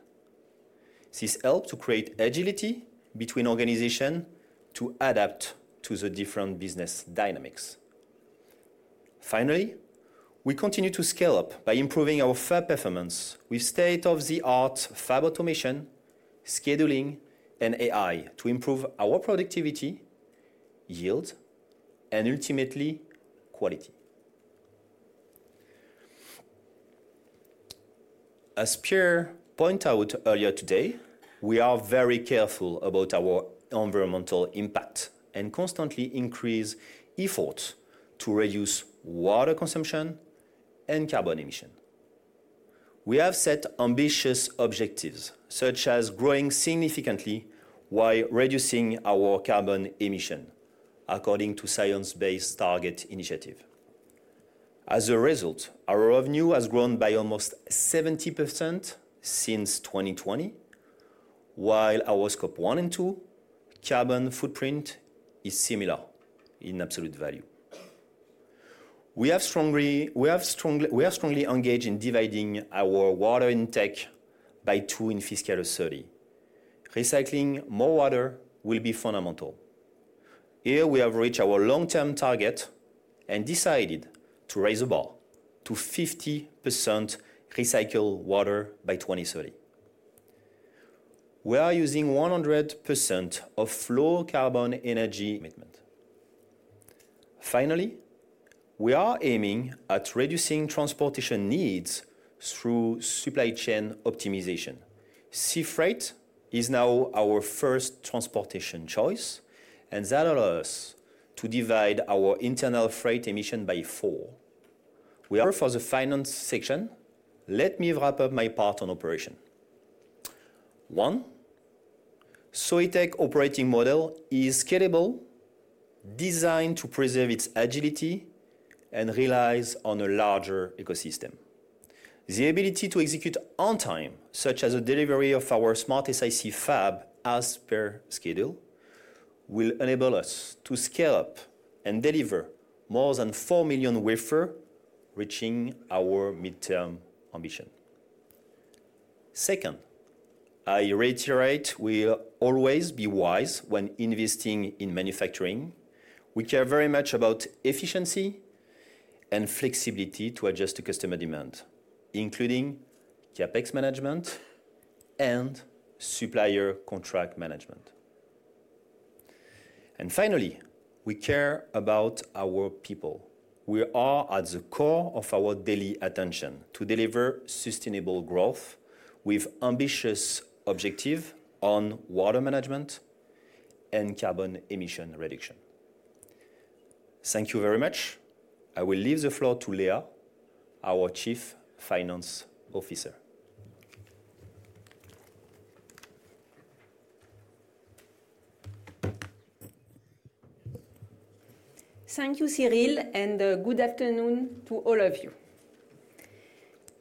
G: This help to create agility between organization to adapt to the different business dynamics. Finally, we continue to scale up by improving our fab performance with state-of-the-art fab automation, scheduling, and AI to improve our productivity, yield, and ultimately, quality. As Pierre pointed out earlier today, we are very careful about our environmental impact and constantly increase efforts to reduce water consumption and carbon emission. We have set ambitious objectives, such as growing significantly while reducing our carbon emission, according to Science Based Targets initiative. As a result, our revenue has grown by almost 70% since 2020, while our scope 1 and 2 carbon footprint is similar in absolute value. We are strongly engaged in dividing our water intake by two in fiscal 30. Recycling more water will be fundamental. Here, we have reached our long-term target and decided to raise the bar to 50% recycled water by 2030. We are using 100% low-carbon energy commitment. Finally, we are aiming at reducing transportation needs through supply chain optimization. Sea freight is now our first transportation choice, and that allow us to divide our internal freight emission by four. We are for the finance section, let me wrap up my part on operation. One, Soitec operating model is scalable, designed to preserve its agility, and relies on a larger ecosystem. The ability to execute on time, such as the delivery of our SmartSiC fab as per schedule, will enable us to scale up and deliver more than four million wafer, reaching our midterm ambition. Second, I reiterate, we'll always be wise when investing in manufacturing. We care very much about efficiency and flexibility to adjust to customer demand, including CapEx management and supplier contract management. And finally, we care about our people. We are at the core of our daily attention to deliver sustainable growth with ambitious objective on water management and carbon emission reduction. Thank you very much. I will leave the floor to Léa, our Chief Financial Officer.
H: Thank you, Cyril, and good afternoon to all of you.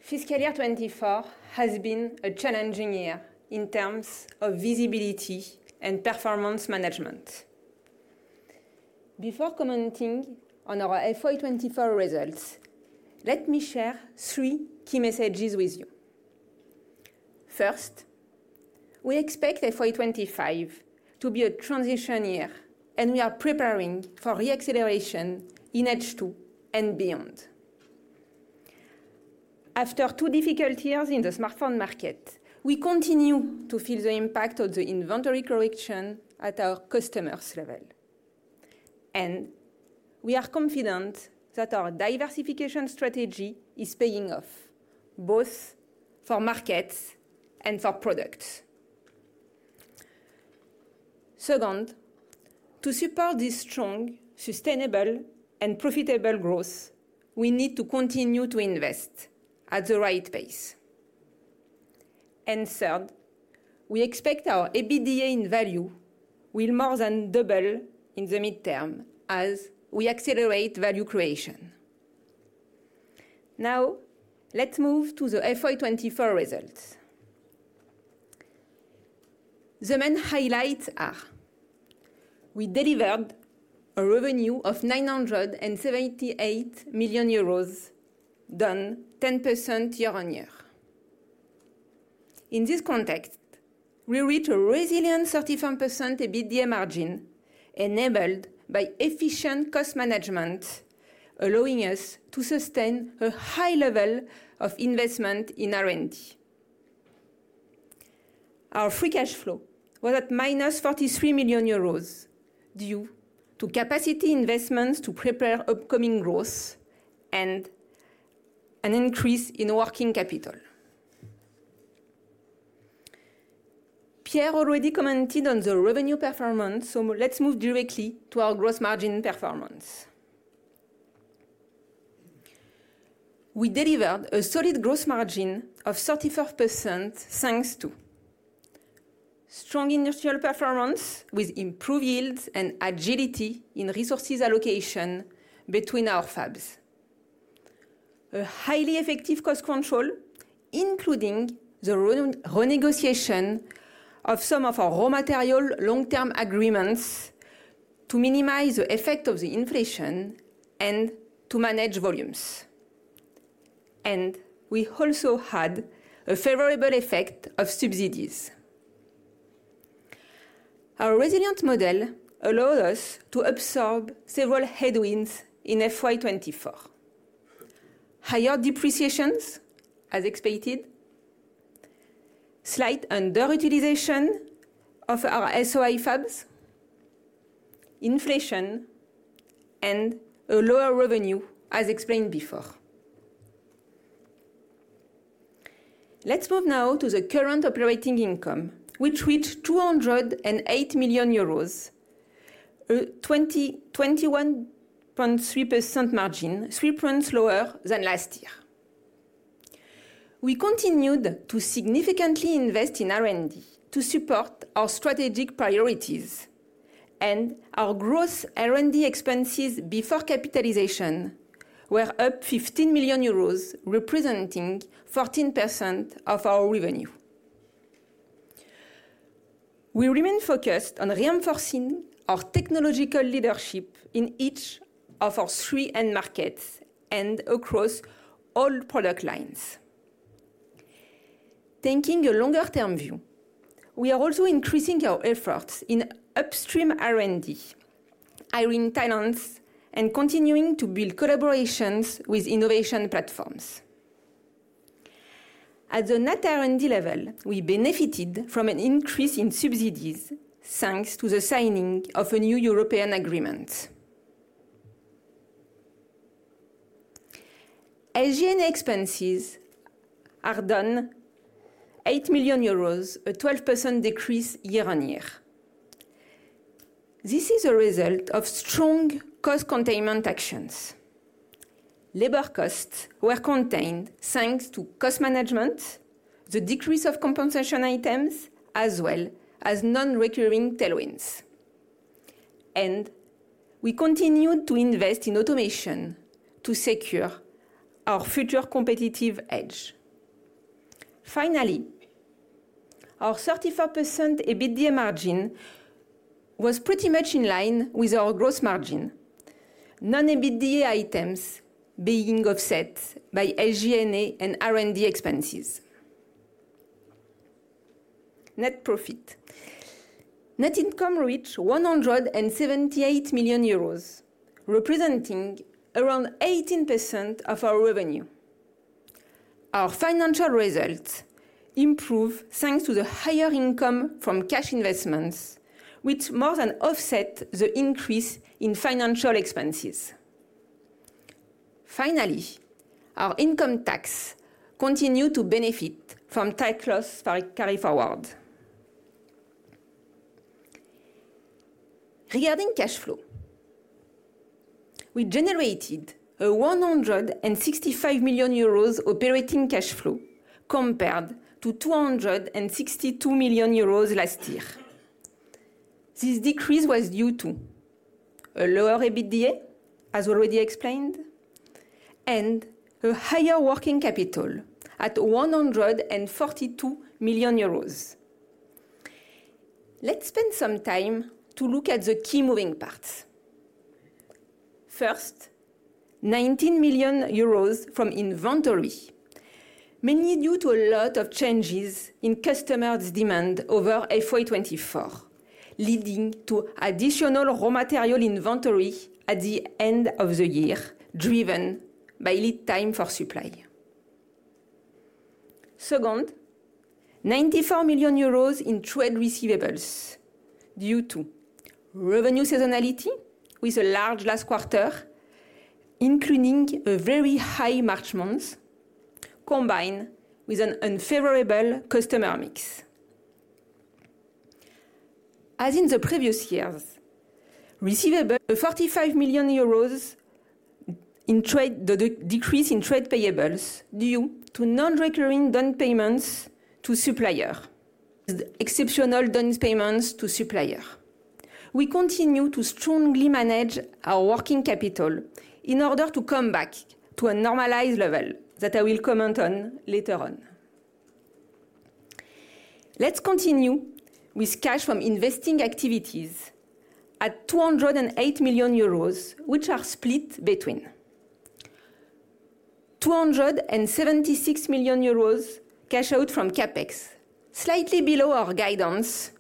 H: Fiscal year 2024 has been a challenging year in terms of visibility and performance management. Before commenting on our FY 2024 results, let me share three key messages with you. First, we expect FY 2025 to be a transition year, and we are preparing for re-acceleration in H2 and beyond. After two difficult years in the smartphone market, we continue to feel the impact of the inventory correction at our customers' level, and we are confident that our diversification strategy is paying off, both for markets and for products. Second, to support this strong, sustainable, and profitable growth, we need to continue to invest at the right pace. And third, we expect our EBITDA in value will more than double in the midterm as we accelerate value creation. Now, let's move to the FY 2024 results. The main highlights are: we delivered a revenue of 978 million euros, down 10% year-on-year. In this context, we reach a resilient 35% EBITDA margin, enabled by efficient cost management, allowing us to sustain a high level of investment in R&D. Our free cash flow was at -43 million euros, due to capacity investments to prepare upcoming growth and an increase in working capital. Pierre already commented on the revenue performance, so let's move directly to our gross margin performance. We delivered a solid gross margin of 35%, thanks to strong industrial performance with improved yields and agility in resources allocation between our fabs. A highly effective cost control, including the renegotiation of some of our raw material long-term agreements to minimize the effect of the inflation and to manage volumes. We also had a favorable effect of subsidies. Our resilient model allowed us to absorb several headwinds in FY 2024. Higher depreciations, as expected, slight underutilization of our SOI fabs, inflation, and a lower revenue, as explained before. Let's move now to the current operating income, which reached 208 million euros, a 21.3% margin, three points lower than last year. We continued to significantly invest in R&D to support our strategic priorities, and our growth R&D expenses before capitalization were up 15 million euros, representing 14% of our revenue. We remain focused on reinforcing our technological leadership in each of our three end markets and across all product lines. Taking a longer-term view, we are also increasing our efforts in upstream R&D, hiring talents, and continuing to build collaborations with innovation platforms. At the net R&D level, we benefited from an increase in subsidies, thanks to the signing of a new European agreement. SG&A expenses are down 8 million euros, a 12% decrease year-on-year. This is a result of strong cost containment actions. Labor costs were contained, thanks to cost management, the decrease of compensation items, as well as non-recurring tailwinds. We continued to invest in automation to secure our future competitive edge. Finally, our 35% EBITDA margin was pretty much in line with our gross margin, non-EBITDA items being offset by SG&A and R&D expenses. Net profit. Net income reached 178 million euros, representing around 18% of our revenue. Our financial results improved, thanks to the higher income from cash investments, which more than offset the increase in financial expenses. Finally, our income tax continued to benefit from tax loss carryforward. Regarding cash flow, we generated 165 million euros operating cash flow, compared to 262 million euros last year. This decrease was due to a lower EBITDA, as already explained, and a higher working capital at 142 million euros. Let's spend some time to look at the key moving parts. First, 19 million euros from inventory, mainly due to a lot of changes in customers' demand over FY 2024, leading to additional raw material inventory at the end of the year, driven by lead time for supply. Second, 94 million euros in trade receivables due to revenue seasonality with a large last quarter, including a very high March month, combined with an unfavorable customer mix. As in the previous years, receivable... A 45 million euros decrease in trade payables due to non-recurring down payments to supplier, exceptional down payments to supplier. We continue to strongly manage our working capital in order to come back to a normalized level that I will comment on later on. Let's continue with cash from investing activities at 208 million euros, which are split between 276 million euros cash out from CapEx, slightly below our guidance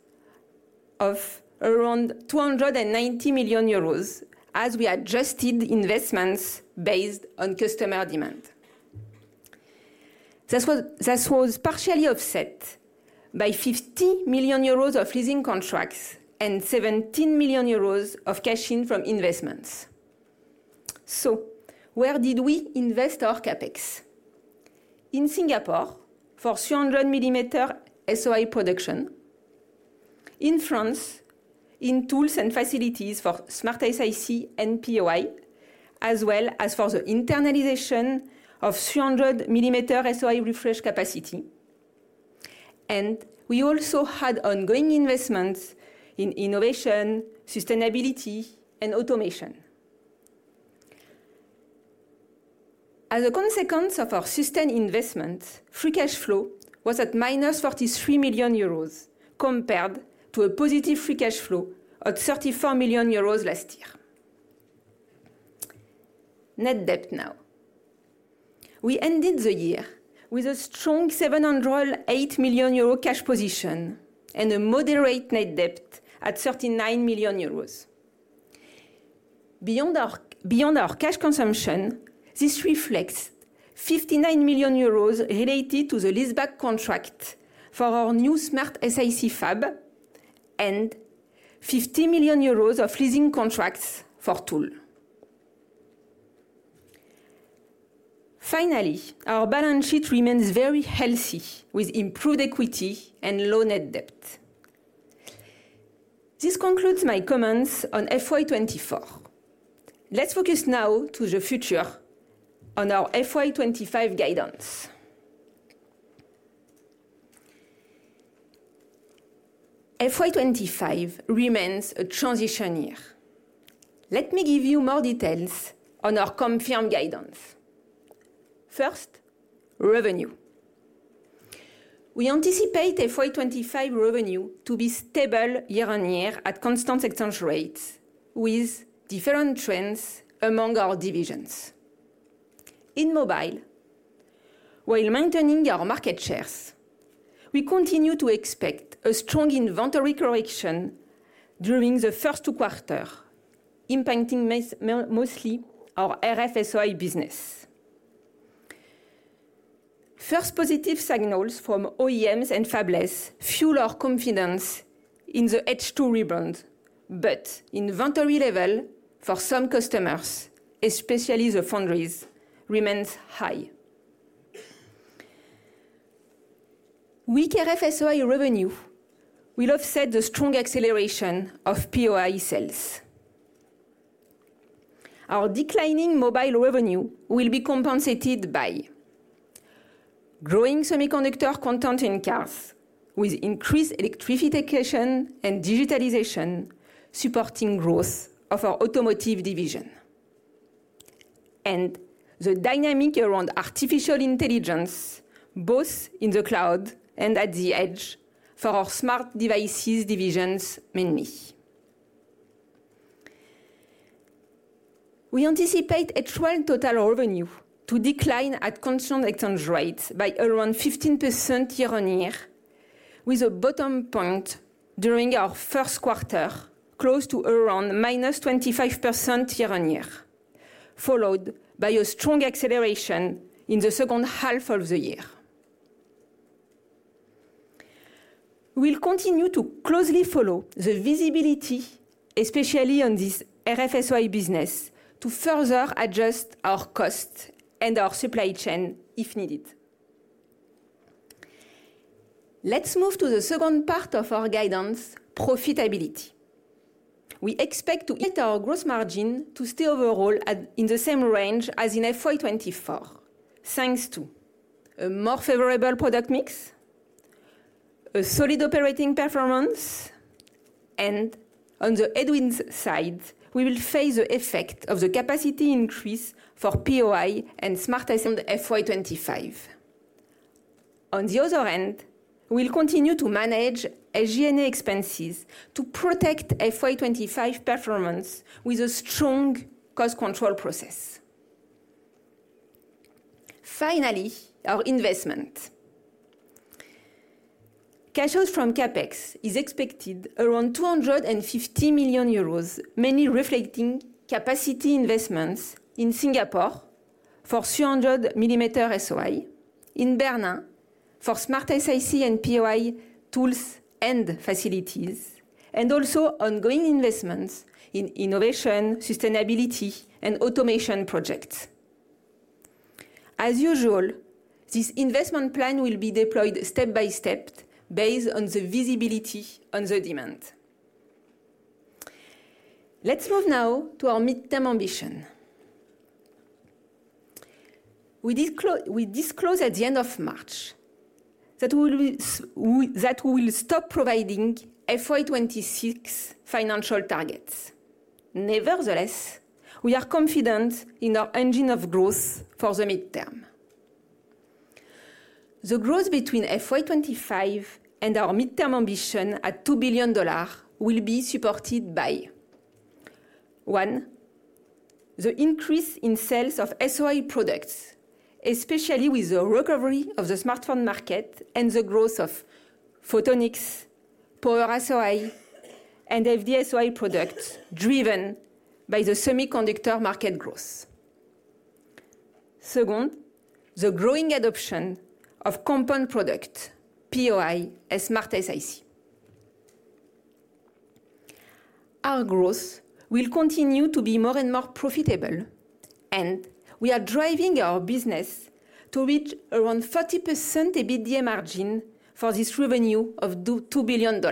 H: of around 290 million euros, as we adjusted investments based on customer demand. This was, this was partially offset by 50 million euros of leasing contracts and 17 million euros of cash in from investments. So where did we invest our CapEx? In Singapore, for 300 mm SOI production.... in France, in tools and facilities for SmartSiC and POI, as well as for the internalization of 300 mm SOI refresh capacity. And we also had ongoing investments in innovation, sustainability, and automation. As a consequence of our sustained investment, free cash flow was at -43 million euros, compared to a positive free cash flow at 34 million euros last year. Net debt now. We ended the year with a strong 708 million euro cash position, and a moderate net debt at 39 million euros. Beyond our, beyond our cash consumption, this reflects 59 million euros related to the leaseback contract for our new SmartSiC fab, and 50 million euros of leasing contracts for tool. Finally, our balance sheet remains very healthy, with improved equity and low net debt. This concludes my comments on FY 2024. Let's focus now to the future on our FY 25 guidance. FY 25 remains a transition year. Let me give you more details on our confirmed guidance. First, revenue. We anticipate FY 25 revenue to be stable year-on-year at constant exchange rates, with different trends among our divisions. In mobile, while maintaining our market shares, we continue to expect a strong inventory correction during the first two quarters, impacting mostly our RF-SOI business. First, positive signals from OEMs and fabless fuel our confidence in the H2 rebound, but inventory level for some customers, especially the foundries, remains high. Weak RF-SOI revenue will offset the strong acceleration of POI sales. Our declining mobile revenue will be compensated by growing semiconductor content in cars, with increased electrification and digitalization supporting growth of our Automotive division. The dynamic around artificial intelligence, both in the cloud and at the edge, for our smart devices divisions, mainly. We anticipate at total revenue to decline at constant exchange rates by around 15% year-on-year, with a bottom point during our first quarter, close to around -25% year-on-year, followed by a strong acceleration in the second half of the year. We'll continue to closely follow the visibility, especially on this RF-SOI business, to further adjust our cost and our supply chain if needed. Let's move to the second part of our guidance: profitability. We expect to get our gross margin to stay overall at, in the same range as in FY 2024, thanks to a more favorable product mix, a solid operating performance, and on the R&D side, we will face the effect of the capacity increase for POI and SmartSiC FY 2025. On the other hand, we'll continue to manage SG&A expenses to protect FY 2025 performance with a strong cost control process. Finally, our investment cash out from CapEx is expected around 250 million euros, mainly reflecting capacity investments in Singapore for 300 mm SOI, in Bernin for SmartSiC and POI tools and facilities, and also ongoing investments in innovation, sustainability, and automation projects. As usual, this investment plan will be deployed step by step, based on the visibility on the demand. Let's move now to our midterm ambition. We disclose at the end of March that we will stop providing FY 2026 financial targets. Nevertheless, we are confident in our engine of growth for the midterm. The growth between FY 2025 and our midterm ambition at $2 billion will be supported by: one, the increase in sales of SOI products, especially with the recovery of the smartphone market and the growth of photonics, Power-SOI, and FD-SOI products, driven by the semiconductor market growth. Second, the growing adoption of compound products, POI and SmartSiC. Our growth will continue to be more and more profitable, and we are driving our business to reach around 40% EBITDA margin for this revenue of $2 billion.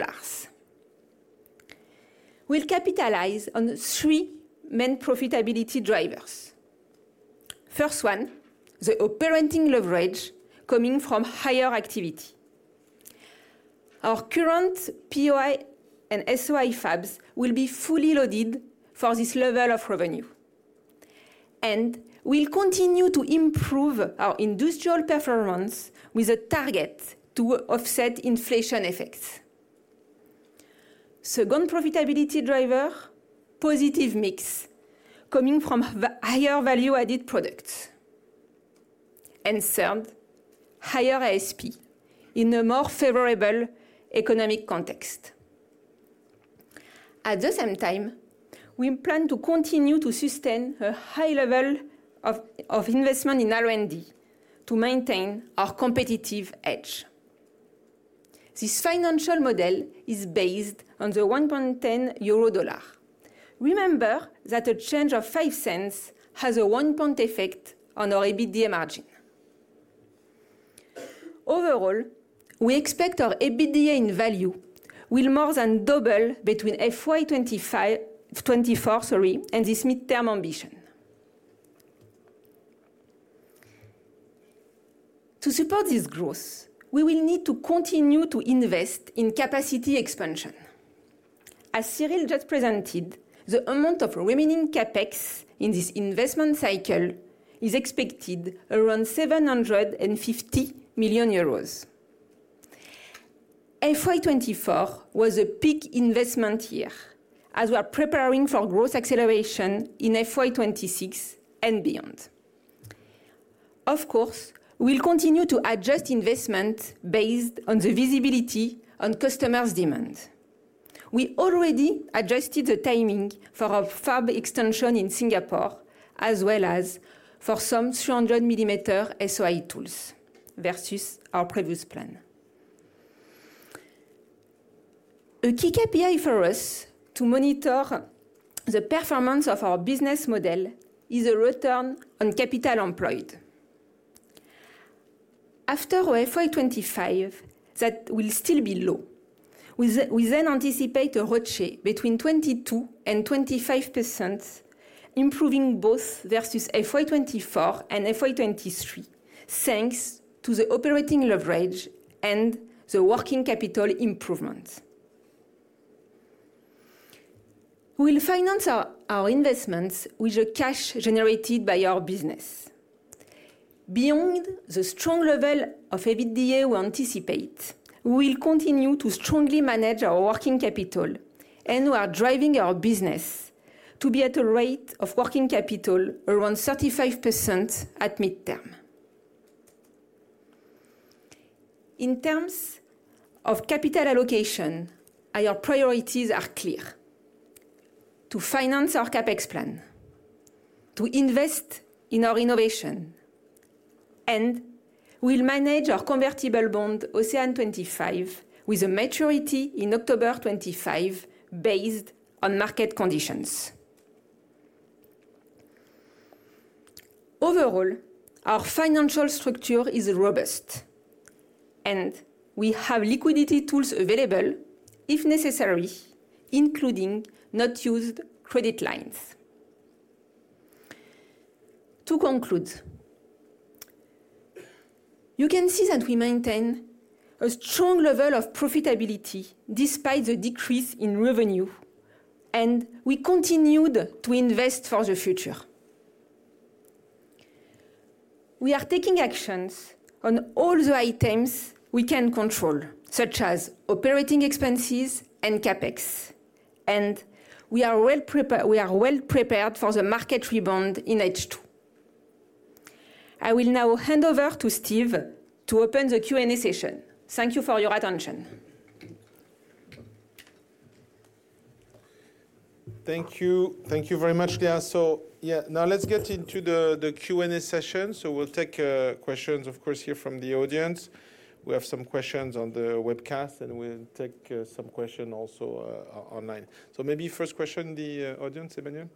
H: We'll capitalize on the three main profitability drivers. First one, the operating leverage coming from higher activity. Our current POI and SOI fabs will be fully loaded for this level of revenue, and we'll continue to improve our industrial performance with a target to offset inflation effects. Second profitability driver, positive mix coming from higher value-added products. And third, higher ASP in a more favorable economic context. At the same time, we plan to continue to sustain a high level of investment in R&D to maintain our competitive edge. This financial model is based on the EUR 1.10. Remember that a change of $0.5 has a one-point effect on our EBITDA margin. Overall, we expect our EBITDA in value will more than double between FY 2025-- '2024, sorry, and this midterm ambition. To support this growth, we will need to continue to invest in capacity expansion. As Cyril just presented, the amount of remaining CapEx in this investment cycle is expected around 750 million euros. FY 2024 was a peak investment year, as we are preparing for growth acceleration in FY 2026 and beyond. Of course, we'll continue to adjust investment based on the visibility on customers' demand. We already adjusted the timing for our fab extension in Singapore, as well as for some 300 mm SOI tools versus our previous plan. A key KPI for us to monitor the performance of our business model is a return on capital employed. After FY 2025, that will still be low. We then anticipate a ROCE between 22% and 25%, improving both versus FY 2024 and FY 2023, thanks to the operating leverage and the working capital improvement. We'll finance our, our investments with the cash generated by our business. Beyond the strong level of EBITDA we anticipate, we will continue to strongly manage our working capital, and we are driving our business to be at a rate of working capital around 35% at midterm. In terms of capital allocation, our priorities are clear: to finance our CapEx plan, to invest in our innovation, and we'll manage our convertible bond, OCEANE 2025, with a maturity in October 2025, based on market conditions. Overall, our financial structure is robust, and we have liquidity tools available if necessary, including unused credit lines. To conclude, you can see that we maintain a strong level of profitability despite the decrease in revenue, and we continued to invest for the future. We are taking actions on all the items we can control, such as operating expenses and CapEx, and we are well prepared for the market rebound in H2. I will now hand over to Steve to open the Q&A session. Thank you for your attention.
A: Thank you. Thank you very much, Léa. So yeah, now let's get into the Q&A session. So we'll take questions, of course, here from the audience. We have some questions on the webcast, and we'll take some question also online. So maybe first question, the audience, Emmanuel?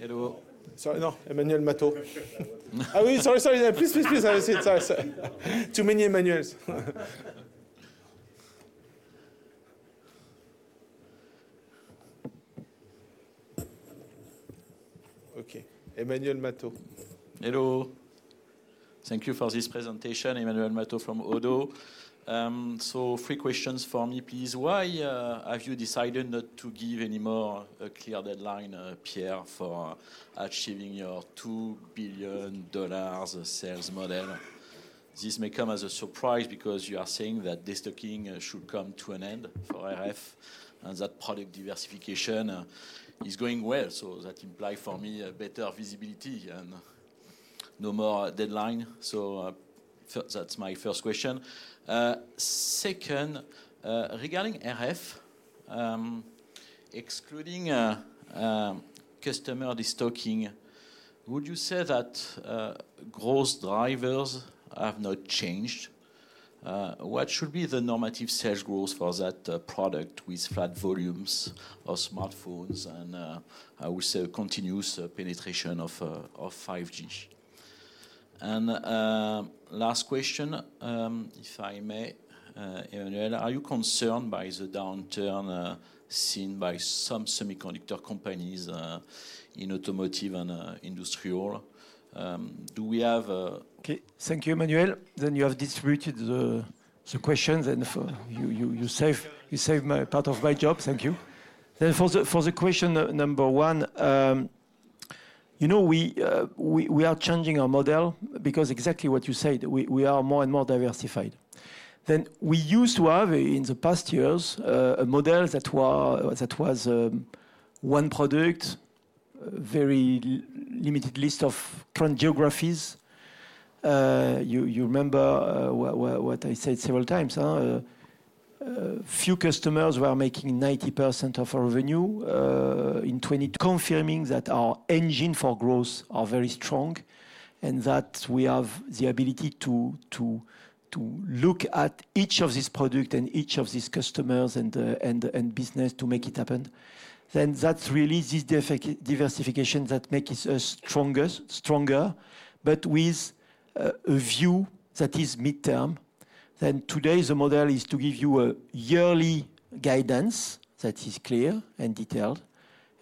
I: Hello.
A: Sorry, no, Emmanuel Matot. Oh, sorry, sorry. Please, please, please have a seat. Sorry, sir. Too many Emmanuels. Okay, Emmanuel Matot.
I: Hello. Thank you for this presentation. Emmanuel Matot from ODDO BHF. So three questions for me, please. Why have you decided not to give any more a clear deadline, Pierre, for achieving your $2 billion sales model? This may come as a surprise because you are saying that destocking should come to an end for RF, and that product diversification is going well. So that imply for me a better visibility and no more deadline. So that's my first question. Second, regarding RF, excluding customer destocking, would you say that growth drivers have not changed?... what should be the normative sales growth for that product with flat volumes of smartphones and I would say a continuous penetration of 5G? And last question, if I may, Emmanuel, are you concerned by the downturn seen by some semiconductor companies in automotive and industrial? Do we have,
B: Okay, thank you, Emmanuel. Then you have distributed the questions, and for you, you saved part of my job. Thank you. Then for the question number one, you know, we are changing our model because exactly what you said, we are more and more diversified. Then we used to have, in the past years, a model that was one product, very limited list of current geographies. You remember what I said several times? Few customers were making 90% of our revenue in 20-- confirming that our engine for growth are very strong, and that we have the ability to look at each of these product and each of these customers and business to make it happen. Then that's really this diversification that makes us strongest, stronger, but with a view that is midterm. Then today, the model is to give you a yearly guidance that is clear and detailed,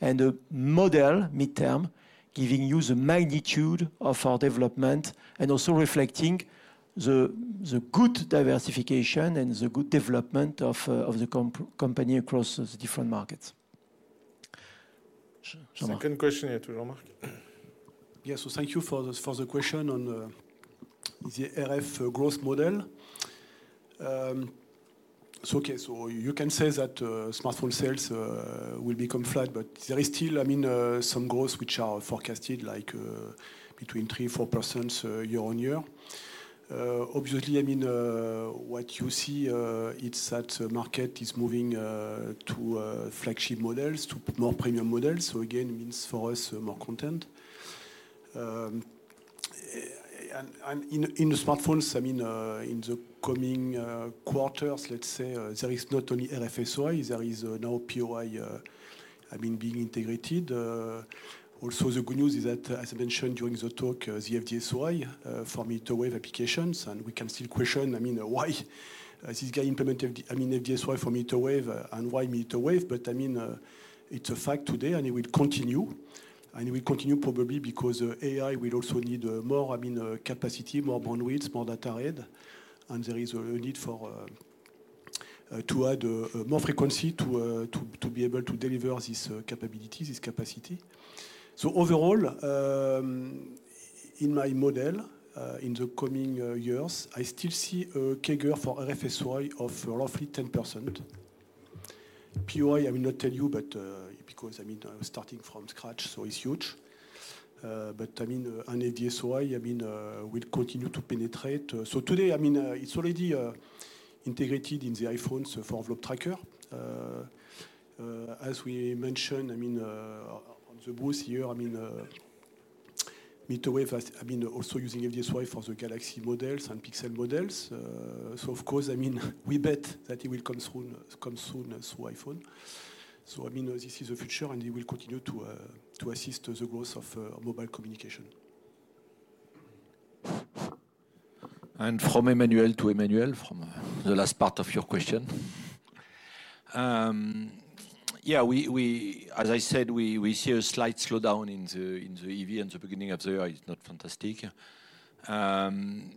B: and a model, midterm, giving you the magnitude of our development and also reflecting the good diversification and the good development of the company across the different markets. Jean-Marc?
A: The second question to Jean-Marc.
D: Yes, so thank you for the, for the question on the RF growth model. So okay, so you can say that smartphone sales will become flat, but there is still, I mean, some growth which are forecasted, like, between 3%-4%, year-on-year. Obviously, I mean, what you see, it's that the market is moving to flagship models, to more premium models. So again, it means for us, more content. And in the smartphones, I mean, in the coming quarters, let's say, there is not only RF-SOI, there is now POI, I mean, being integrated. Also, the good news is that, as I mentioned during the talk, the FD-SOI for mmWave applications, and we can still question, I mean, why is this guy implemented, I mean, FD-SOI for mmWave, and why mmWave? But I mean, it's a fact today, and it will continue, and it will continue probably because AI will also need more, I mean, capacity, more bandwidth, more data aid, and there is a need for to add more frequency to to to be able to deliver this capabilities, this capacity. So overall, in my model, in the coming years, I still see a CAGR for RF-SOI of roughly 10%. POI, I will not tell you, but because, I mean, starting from scratch, so it's huge. But I mean, FD-SOI will continue to penetrate. So today, I mean, it's already integrated in the iPhones for envelope tracker. As we mentioned, I mean, on the booth here, I mean, mmWave has also using FD-SOI for the Galaxy models and Pixel models. So of course, I mean, we bet that it will come soon through iPhone. So, I mean, this is the future, and it will continue to assist the growth of mobile communication.
E: From Emmanuel to Emmanuel, from the last part of your question. Yeah, as I said, we see a slight slowdown in the EV, and the beginning of the year is not fantastic.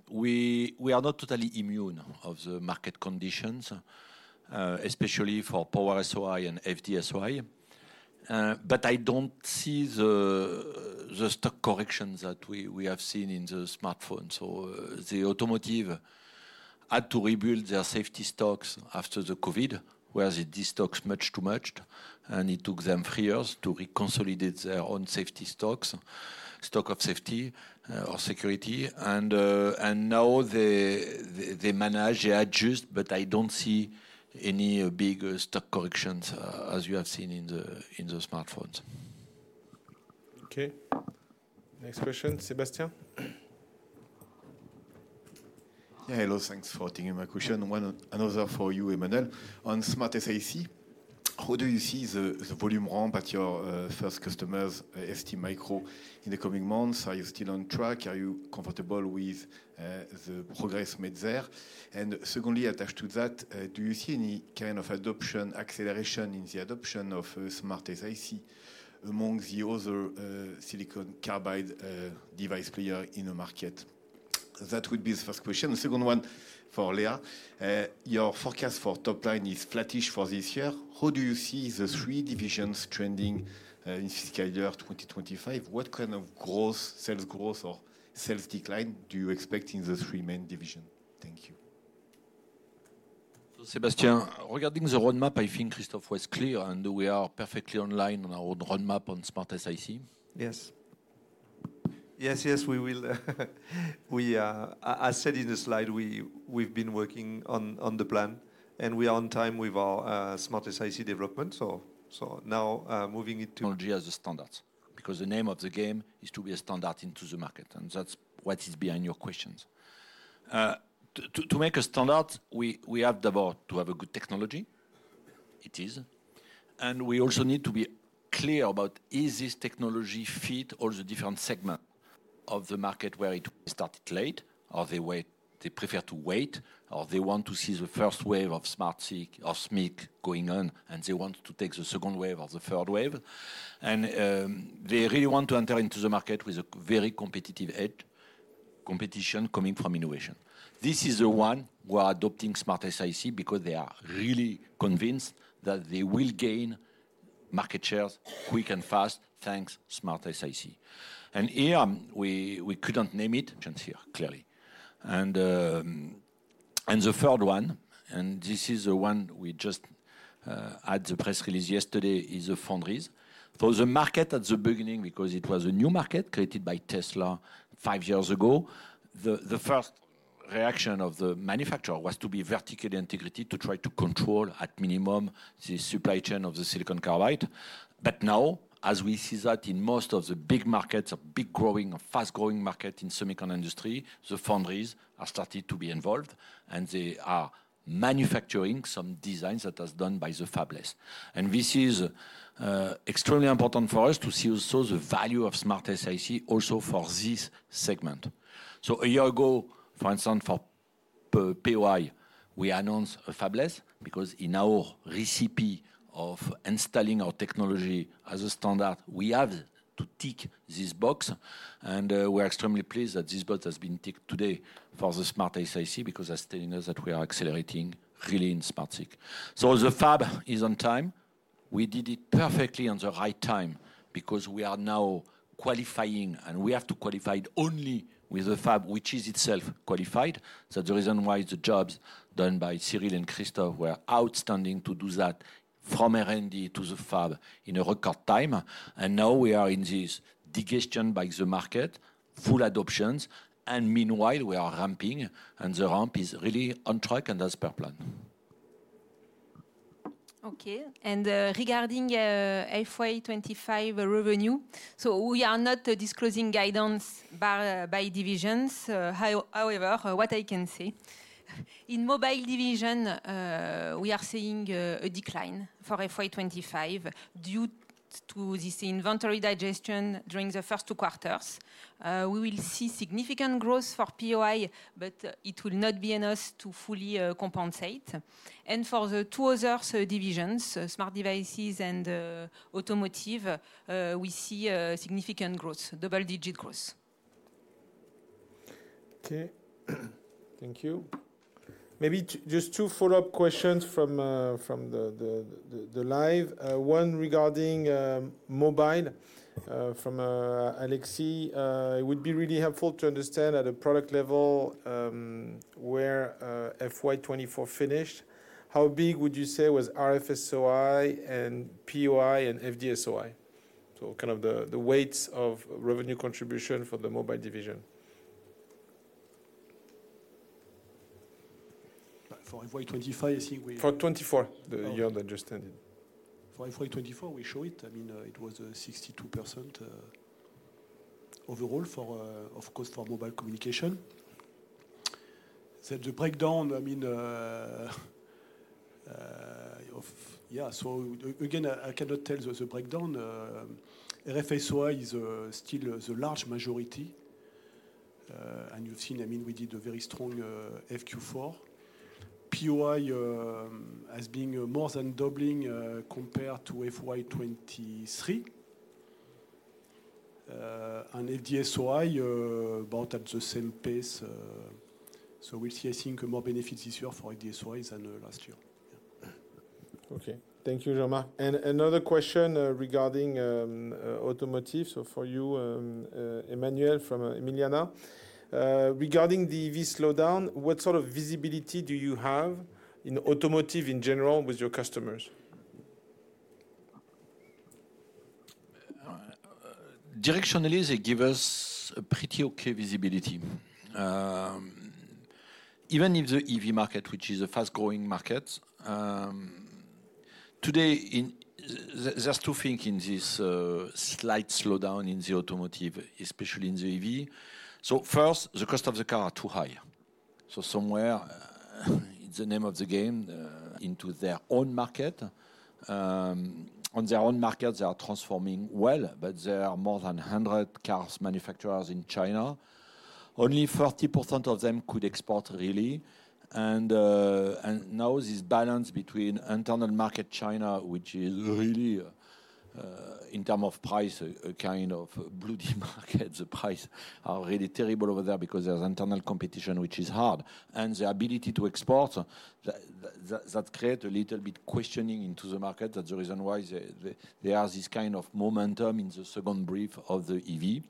E: We are not totally immune of the market conditions, especially for Power-SOI and FD-SOI. But I don't see the stock correction that we have seen in the smartphone. So the automotive had to rebuild their safety stocks after the COVID, where they destocked much too much, and it took them three years to reconsolidate their own safety stocks, stock of safety or security. And now they manage, they adjust, but I don't see any big stock corrections as you have seen in the smartphones.
A: Okay. Next question, Sébastien?
J: Yeah, hello, thanks for taking my question. One—another for you, Emmanuel. On SmartSiC, how do you see the volume ramp at your first customers, STMicroelectronics, in the coming months? Are you still on track? Are you comfortable with the progress made there? And secondly, attached to that, do you see any kind of adoption—acceleration in the adoption of SmartSiC among the other silicon carbide device players in the market? That would be the first question. The second one, for Léa. Your forecast for top line is flattish for this year. How do you see the three divisions trending in fiscal year 2025? What kind of growth, sales growth or sales decline do you expect in the three main division? Thank you.
E: Sebastian, regarding the roadmap, I think Christophe was clear, and we are perfectly online on our roadmap on SmartSiC.
B: Yes. Yes, yes, we will. We, I said in the slide, we, we've been working on, on the plan, and we are on time with our SmartSiC development. So, so now, moving it to-
E: Technology as the standard... because the name of the game is to be a standard into the market, and that's what is behind your questions. To make a standard, we have to have a good technology. It is. And we also need to be clear about, is this technology fit all the different segments of the market where it started late, or they prefer to wait, or they want to see the first wave of SmartSiC or SiC going on, and they want to take the second wave or the third wave. And they really want to enter into the market with a very competitive edge, competition coming from innovation. This is the one who are adopting SmartSiC because they are really convinced that they will gain market shares quick and fast, thanks SmartSiC. Here, we couldn't name it, can't hear clearly. The third one, this is the one we just had the press release yesterday, is the foundries. For the market at the beginning, because it was a new market created by Tesla five years ago, the first reaction of the manufacturer was to be vertically integrated, to try to control at minimum the supply chain of the silicon carbide. But now, as we see that in most of the big markets, a big growing, a fast-growing market in semiconductor industry, the foundries are starting to be involved, and they are manufacturing some designs that was done by the fabless. This is extremely important for us to see also the value of SmartSiC also for this segment. So a year ago, for instance, for P-POI, we announced a fabless, because in our recipe of installing our technology as a standard, we have to tick this box, and we are extremely pleased that this box has been ticked today for the SmartSiC, because as telling us that we are accelerating really in SmartSiC. So the fab is on time. We did it perfectly on the right time because we are now qualifying, and we have to qualify it only with a fab, which is itself qualified. So the reason why the jobs done by Cyril and Christophe were outstanding to do that from R&D to the fab in a record time, and now we are in this digestion by the market, full adoptions, and meanwhile, we are ramping, and the ramp is really on track, and as per plan.
H: Okay, and regarding FY 25 revenue, so we are not disclosing guidance by divisions. However, what I can say, in Mobile division, we are seeing a decline for FY 25 due to this inventory digestion during the first two quarters. We will see significant growth for POI, but it will not be enough to fully compensate. And for the two other divisions, smart devices and automotive, we see a significant growth, double-digit growth.
A: Okay. Thank you. Maybe just two follow-up questions from the line. One regarding mobile from Alexi. It would be really helpful to understand at a product level where FY 2024 finished. How big would you say was RF-SOI and POI and FD-SOI? So kind of the weights of revenue contribution for the Mobile division.
D: For FY 25, you see we-
A: For 2024, the year that just ended.
D: For FY 2024, we show it. I mean, it was 62% overall for, of course, for mobile communication. Then the breakdown, I mean, of... So again, I cannot tell the breakdown. RF-SOI is still the large majority, and you've seen, I mean, we did a very strong Q4. POI has been more than doubling compared to FY 2023. And FD-SOI about at the same pace, so we see, I think, more benefits this year for FD-SOI than last year.
A: Okay. Thank you, Jean-Marc. Another question regarding automotive. So for you, Emmanuel, from Emiliana. Regarding the EV slowdown, what sort of visibility do you have in automotive in general with your customers?
E: Directionally, they give us a pretty okay visibility. Even in the EV market, which is a fast-growing market, today there's two things in this slight slowdown in the automotive, especially in the EV. So first, the cost of the car are too high. So somewhere, it's the name of the game, into their own market. On their own market, they are transforming well, but there are more than 100 cars manufacturers in China. Only 40% of them could export really, and, and now this balance between internal market China, which is really, in term of price, a kind of bloody market. The price are really terrible over there because there's internal competition, which is hard. And the ability to export, that create a little bit questioning into the market. That's the reason why there are this kind of momentum in the second brief of the EV.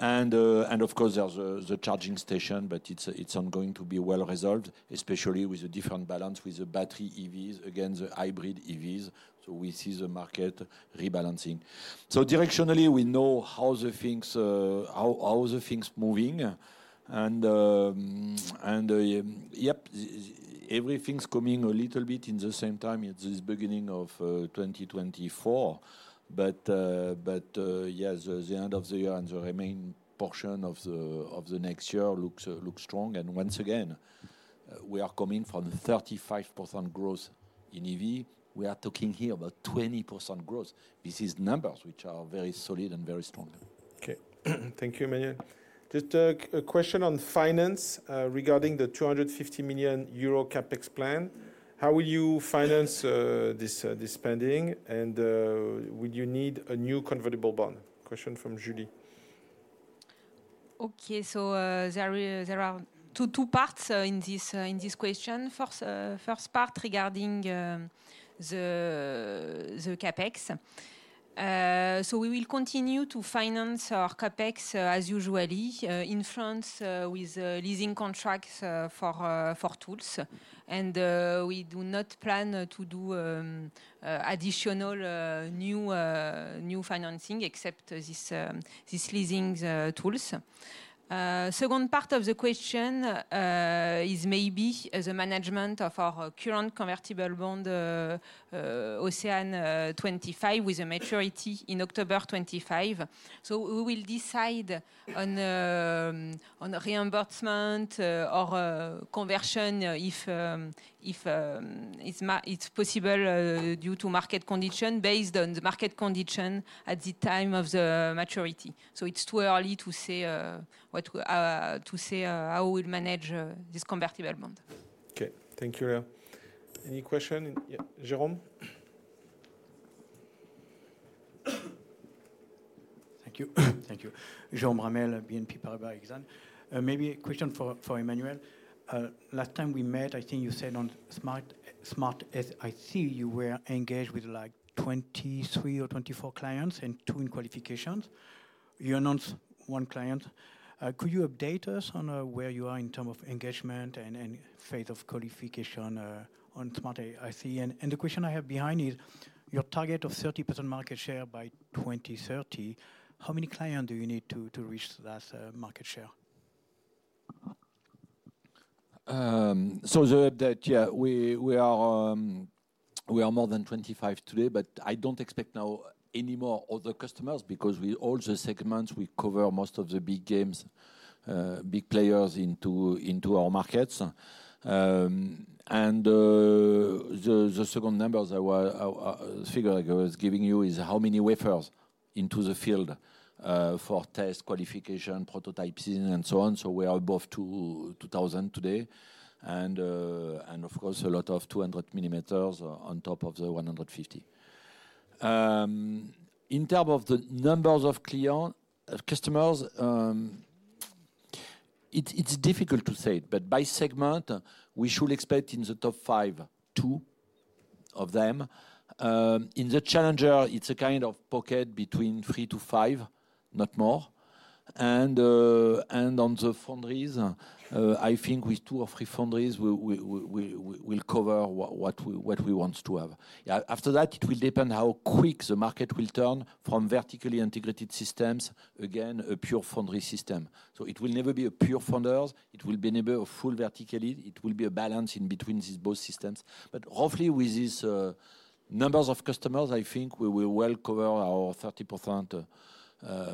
E: And of course, there's the charging station, but it's going to be well resolved, especially with a different balance with the battery EVs against the hybrid EVs. So we see the market rebalancing. So directionally, we know how the things are moving, and everything's coming a little bit in the same time at this beginning of 2024. But yes, the end of the year and the remaining portion of the next year looks strong. And once again, we are coming from 35% growth in EV. We are talking here about 20% growth. This is numbers which are very solid and very strong.
A: Okay. Thank you, Emmanuel. Just a question on finance regarding the 250 million euro CapEx plan. How will you finance this spending, and would you need a new convertible bond? Question from Julie.
H: Okay, so there are two parts in this question. First part regarding the CapEx. So we will continue to finance our CapEx as usual in France with leasing contracts for tools. And we do not plan to do additional new financing except this leasing tools. Second part of the question is maybe as a management of our current convertible bond, Océane 2025, with a maturity in October 2025. So we will decide on the reimbursement or conversion, if it's possible due to market condition, based on the market condition at the time of the maturity. It's too early to say how we'll manage this convertible bond.
A: Okay, thank you, Léa. Any question? Yeah, Jérôme.
K: Thank you. Thank you. Jérôme Ramel, BNP Paribas Exane. Maybe a question for Emmanuel. Last time we met, I think you said on SmartSiC, you were engaged with, like, 23 or 24 clients and two in qualifications. You announced one client. Could you update us on where you are in terms of engagement and phase of qualification on SmartSiC? And the question I have behind is, your target of 30% market share by 2030, how many client do you need to reach that market share?
E: So the update, yeah, we are more than 25 today, but I don't expect now any more other customers because in all the segments, we cover most of the big names, big players in our markets. And the second figure I was giving you is how many wafers into the field for test, qualification, prototyping, and so on. So we are above 2,000 today, and of course, a lot of 200 mm on top of the 150. In terms of the number of clients, customers, it's difficult to say, but by segment, we should expect in the top 5, two of them. In the challenger, it's a kind of bucket between 3-5, not more. On the foundries, I think with two or three foundries, we'll cover what we want to have. After that, it will depend how quick the market will turn from vertically integrated systems to a pure foundry system. It will never be a pure foundry, it will never be a full vertically integrated, it will be a balance in between these both systems. But roughly with these numbers of customers, I think we will well cover our 30%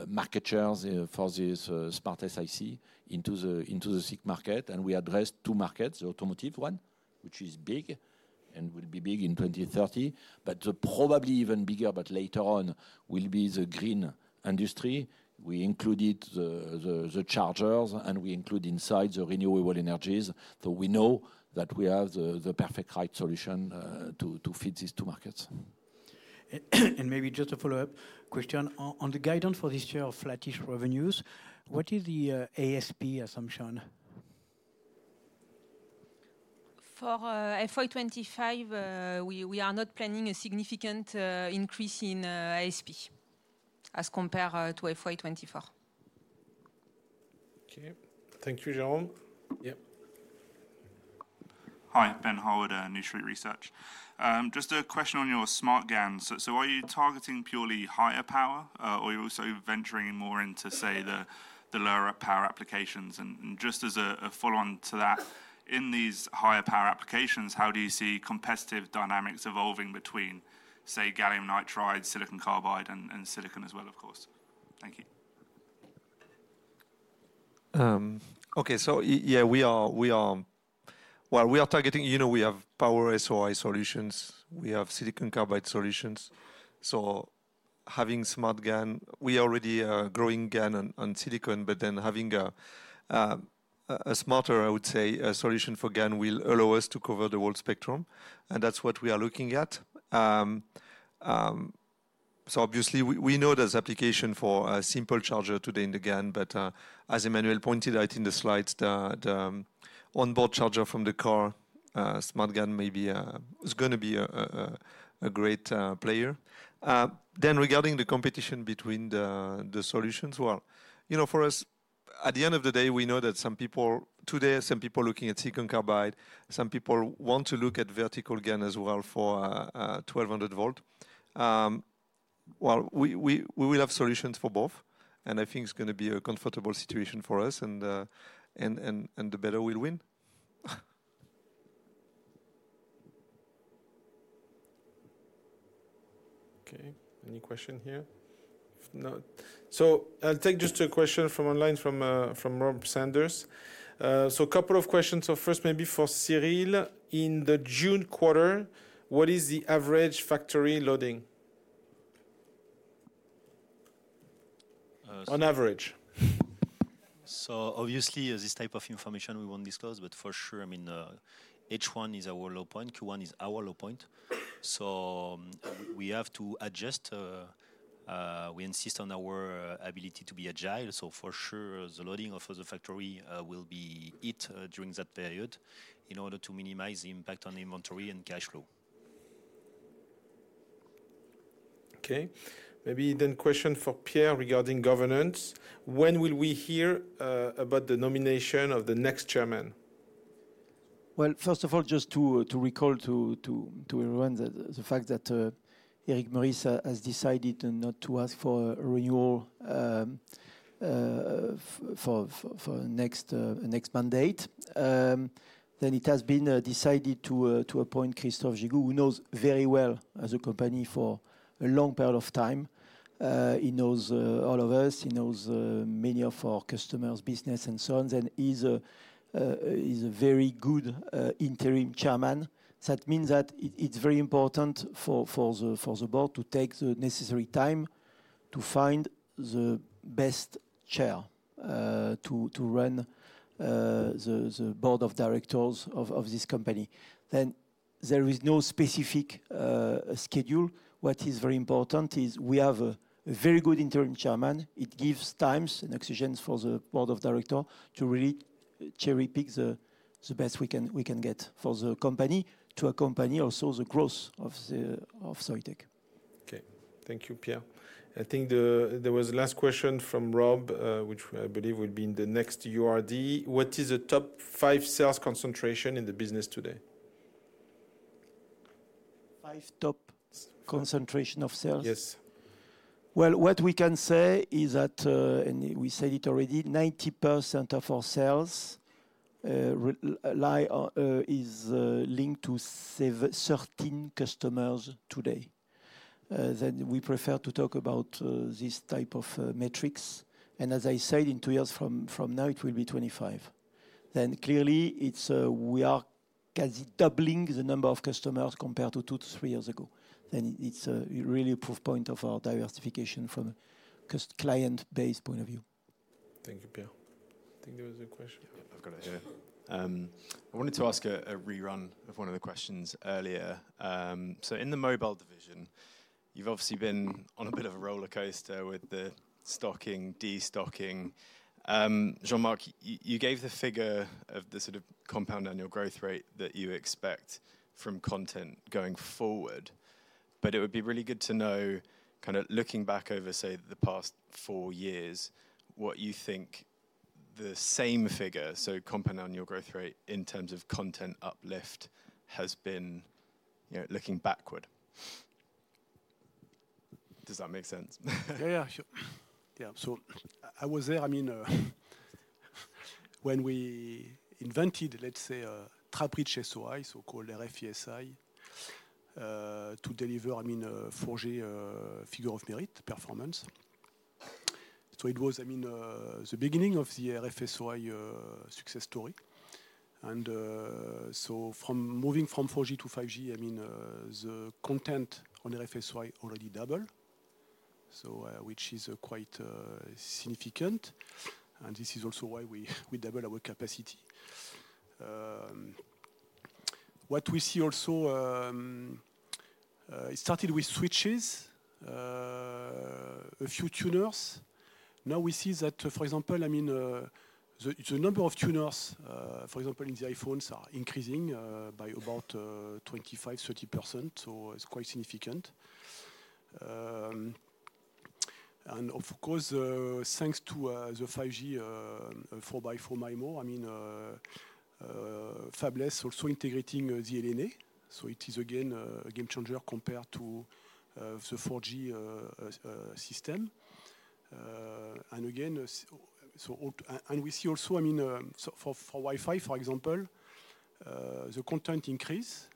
E: market shares for this SmartSiC into the SiC market. And we address two markets, the automotive one, which is big and will be big in 2030, but probably even bigger, but later on, will be the green industry. We included the chargers, and we include inside the renewable energies. So we know that we have the perfect right solution to fit these two markets.
K: Maybe just a follow-up question. On the guidance for this year of flattish revenues, what is the ASP assumption?
H: For FY 2025, we are not planning a significant increase in ASP as compared to FY 2024.
A: Okay. Thank you, Jérôme. Yep.
L: Hi, Ben Harwood, New Street Research. Just a question on your SmartGaN. So are you targeting purely higher power, or you're also venturing more into, say, the lower power applications? And just as a follow-on to that, in these higher power applications, how do you see competitive dynamics evolving between, say, gallium nitride, silicon carbide, and silicon as well, of course? Thank you.
E: Okay. So yeah, we are... Well, we are targeting, you know, we have Power-SOI solutions, we have silicon carbide solutions. So having SmartGaN, we already are growing GaN on silicon, but then having a smarter, I would say, a solution for GaN will allow us to cover the whole spectrum, and that's what we are looking at. So obviously, we know there's application for a simple charger today in the GaN, but as Emmanuel pointed out in the slides, the on-board charger from the car, SmartGaN may be is gonna be a great player. Then, regarding the competition between the solutions, well, you know, for us, at the end of the day, we know that some people today, some people looking at silicon carbide, some people want to look at vertical GaN as well for 1,200 volt.... Well, we will have solutions for both, and I think it's gonna be a comfortable situation for us, and the better will win.
A: Okay, any question here? If not. So I'll take just a question from online from Rob Sanders. So a couple of questions. So first, maybe for Cyril. In the June quarter, what is the average factory loading?
D: Uh, so-
A: On average.
D: So obviously, this type of information we won't discuss, but for sure, I mean, H1 is our low point, Q1 is our low point. We have to adjust. We insist on our ability to be agile, so for sure, the loading of the factory will be it during that period, in order to minimize the impact on inventory and cash flow.
A: Okay. Maybe then question for Pierre regarding governance: When will we hear about the nomination of the next chairman?
B: Well, first of all, just to recall to everyone the fact that Eric Meurice has decided not to ask for renewal for next mandate. Then it has been decided to appoint Christophe Gégout, who knows very well the company for a long period of time. He knows all of us, he knows many of our customers' business and so on, and he's a very good interim chairman. That means that it's very important for the board to take the necessary time to find the best chair to run the board of directors of this company. Then there is no specific schedule. What is very important is we have a very good interim chairman. It gives times and occasions for the Board of Directors to really cherry-pick the best we can get for the company, to accompany also the growth of Soitec.
A: Okay. Thank you, Pierre. I think there was a last question from Rob, which I believe will be in the next URD. What is the top five sales concentration in the business today?
B: Five top concentration of sales?
A: Yes.
B: Well, what we can say is that, and we said it already, 90% of our sales rely on is linked to seven to 13 customers today. Then we prefer to talk about this type of metrics. And as I said, in two years from now, it will be 25. Then clearly, it's we are quasi doubling the number of customers compared to 2-3 years ago. Then it's really a proof point of our diversification from a client-based point of view.
A: Thank you, Pierre. I think there was a question. I've got it here. I wanted to ask a rerun of one of the questions earlier. So in the mobile division, you've obviously been on a bit of a rollercoaster with the stocking, de-stocking. Jean-Marc, you gave the figure of the sort of compound annual growth rate that you expect from content going forward. But it would be really good to know, kind of looking back over, say, the past four years, what you think the same figure, so compound annual growth rate in terms of content uplift, has been, you know, looking backward. Does that make sense?
D: Yeah, yeah, sure. Yeah. So I was there, I mean, when we invented, let's say, a Trap-Rich SOI, so-called RF-SOI, to deliver, I mean, 4G figure of merit performance. So it was, I mean, the beginning of the RF-SOI success story. And so from moving from 4G to 5G, I mean, the content on RF-SOI already double, so which is quite significant. And this is also why we double our capacity. What we see also, it started with switches, a few tuners. Now we see that, for example, I mean, the number of tuners, for example, in the iPhones are increasing by about 25-30%, so it's quite significant. And of course, thanks to the 5G, 4 by 4 MIMO, I mean, fabless also integrating the LNA. So it is again a game changer compared to the 4G system. And again, so... And we see also, I mean, so for Wi-Fi, for example, the content increase,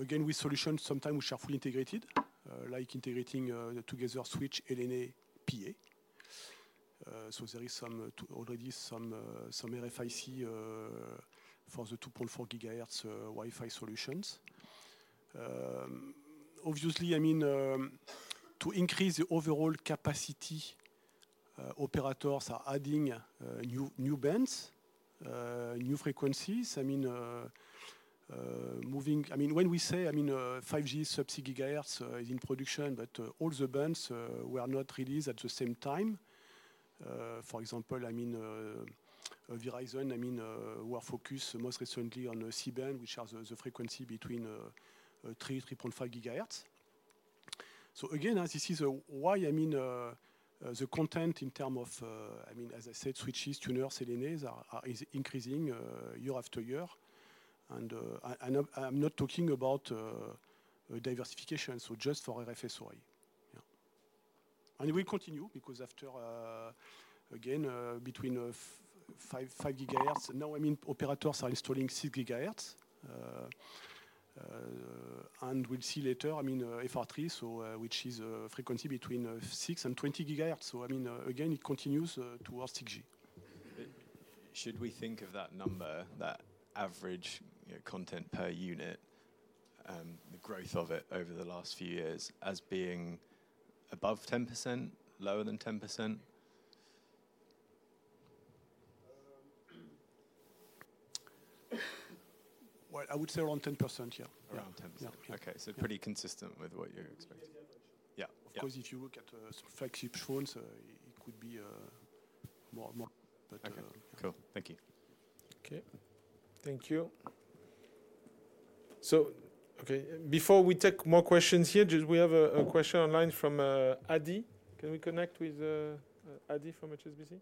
D: again, with solutions, sometimes which are fully integrated, like integrating together switch, LNA, PA. So there is some, already some, some RFIC for the 2.4 GHz Wi-Fi solutions. Obviously, I mean, to increase the overall capacity, operators are adding new, new bands, new frequencies. I mean, when we say, I mean, 5G sub-6 GHz is in production, but all the bands were not released at the same time. For example, I mean, Verizon were focused most recently on the C-band, which has the frequency between 3.3-3.5 GHz.... So again, as you see the why, I mean, the content in terms of, I mean, as I said, switches, tuners, LNA are, are-- is increasing, year after year. And, I and I'm not talking about, diversification, so just for RF-SOI. Yeah. And we continue, because after, again, between, 5, 5 GHz, now, I mean, operators are installing 6 GHz. And we'll see later, I mean, FR3, so, which is a frequency between, 6 and 20 GHz. So I mean, again, it continues, towards 6G.
A: Should we think of that number, that average, you know, content per unit, the growth of it over the last few years as being above 10%, lower than 10%?
D: Well, I would say around 10%, yeah.
A: Around 10%.
D: Yeah.
A: Okay. Pretty consistent with what you're expecting. Yeah, yeah.
D: Of course, if you look at some flagship phones, it could be more and more, but-
A: Okay, cool. Thank you. Okay, thank you. So, okay, before we take more questions here, just we have a question online from Adi. Can we connect with Adi from HSBC?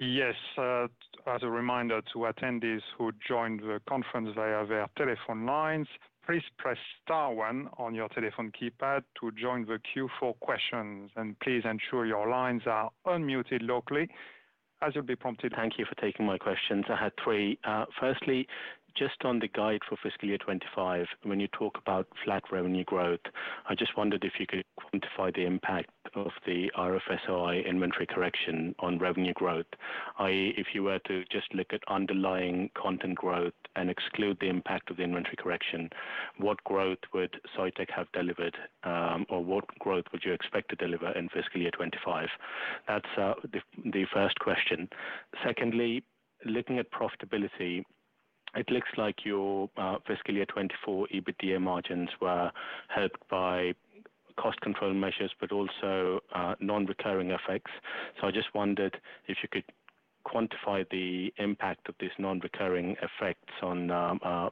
M: Yes, as a reminder to attendees who joined the conference via their telephone lines, please press star one on your telephone keypad to join the queue for questions, and please ensure your lines are unmuted locally as you'll be prompted.
N: Thank you for taking my questions. I had three. Firstly, just on the guide for fiscal year 2025, when you talk about flat revenue growth, I just wondered if you could quantify the impact of the RF-SOI inventory correction on revenue growth. I.e., if you were to just look at underlying content growth and exclude the impact of the inventory correction, what growth would Soitec have delivered, or what growth would you expect to deliver in fiscal year 2025? That's the first question. Secondly, looking at profitability, it looks like your fiscal year 2024 EBITDA margins were helped by cost control measures, but also non-recurring effects. So I just wondered if you could quantify the impact of these non-recurring effects on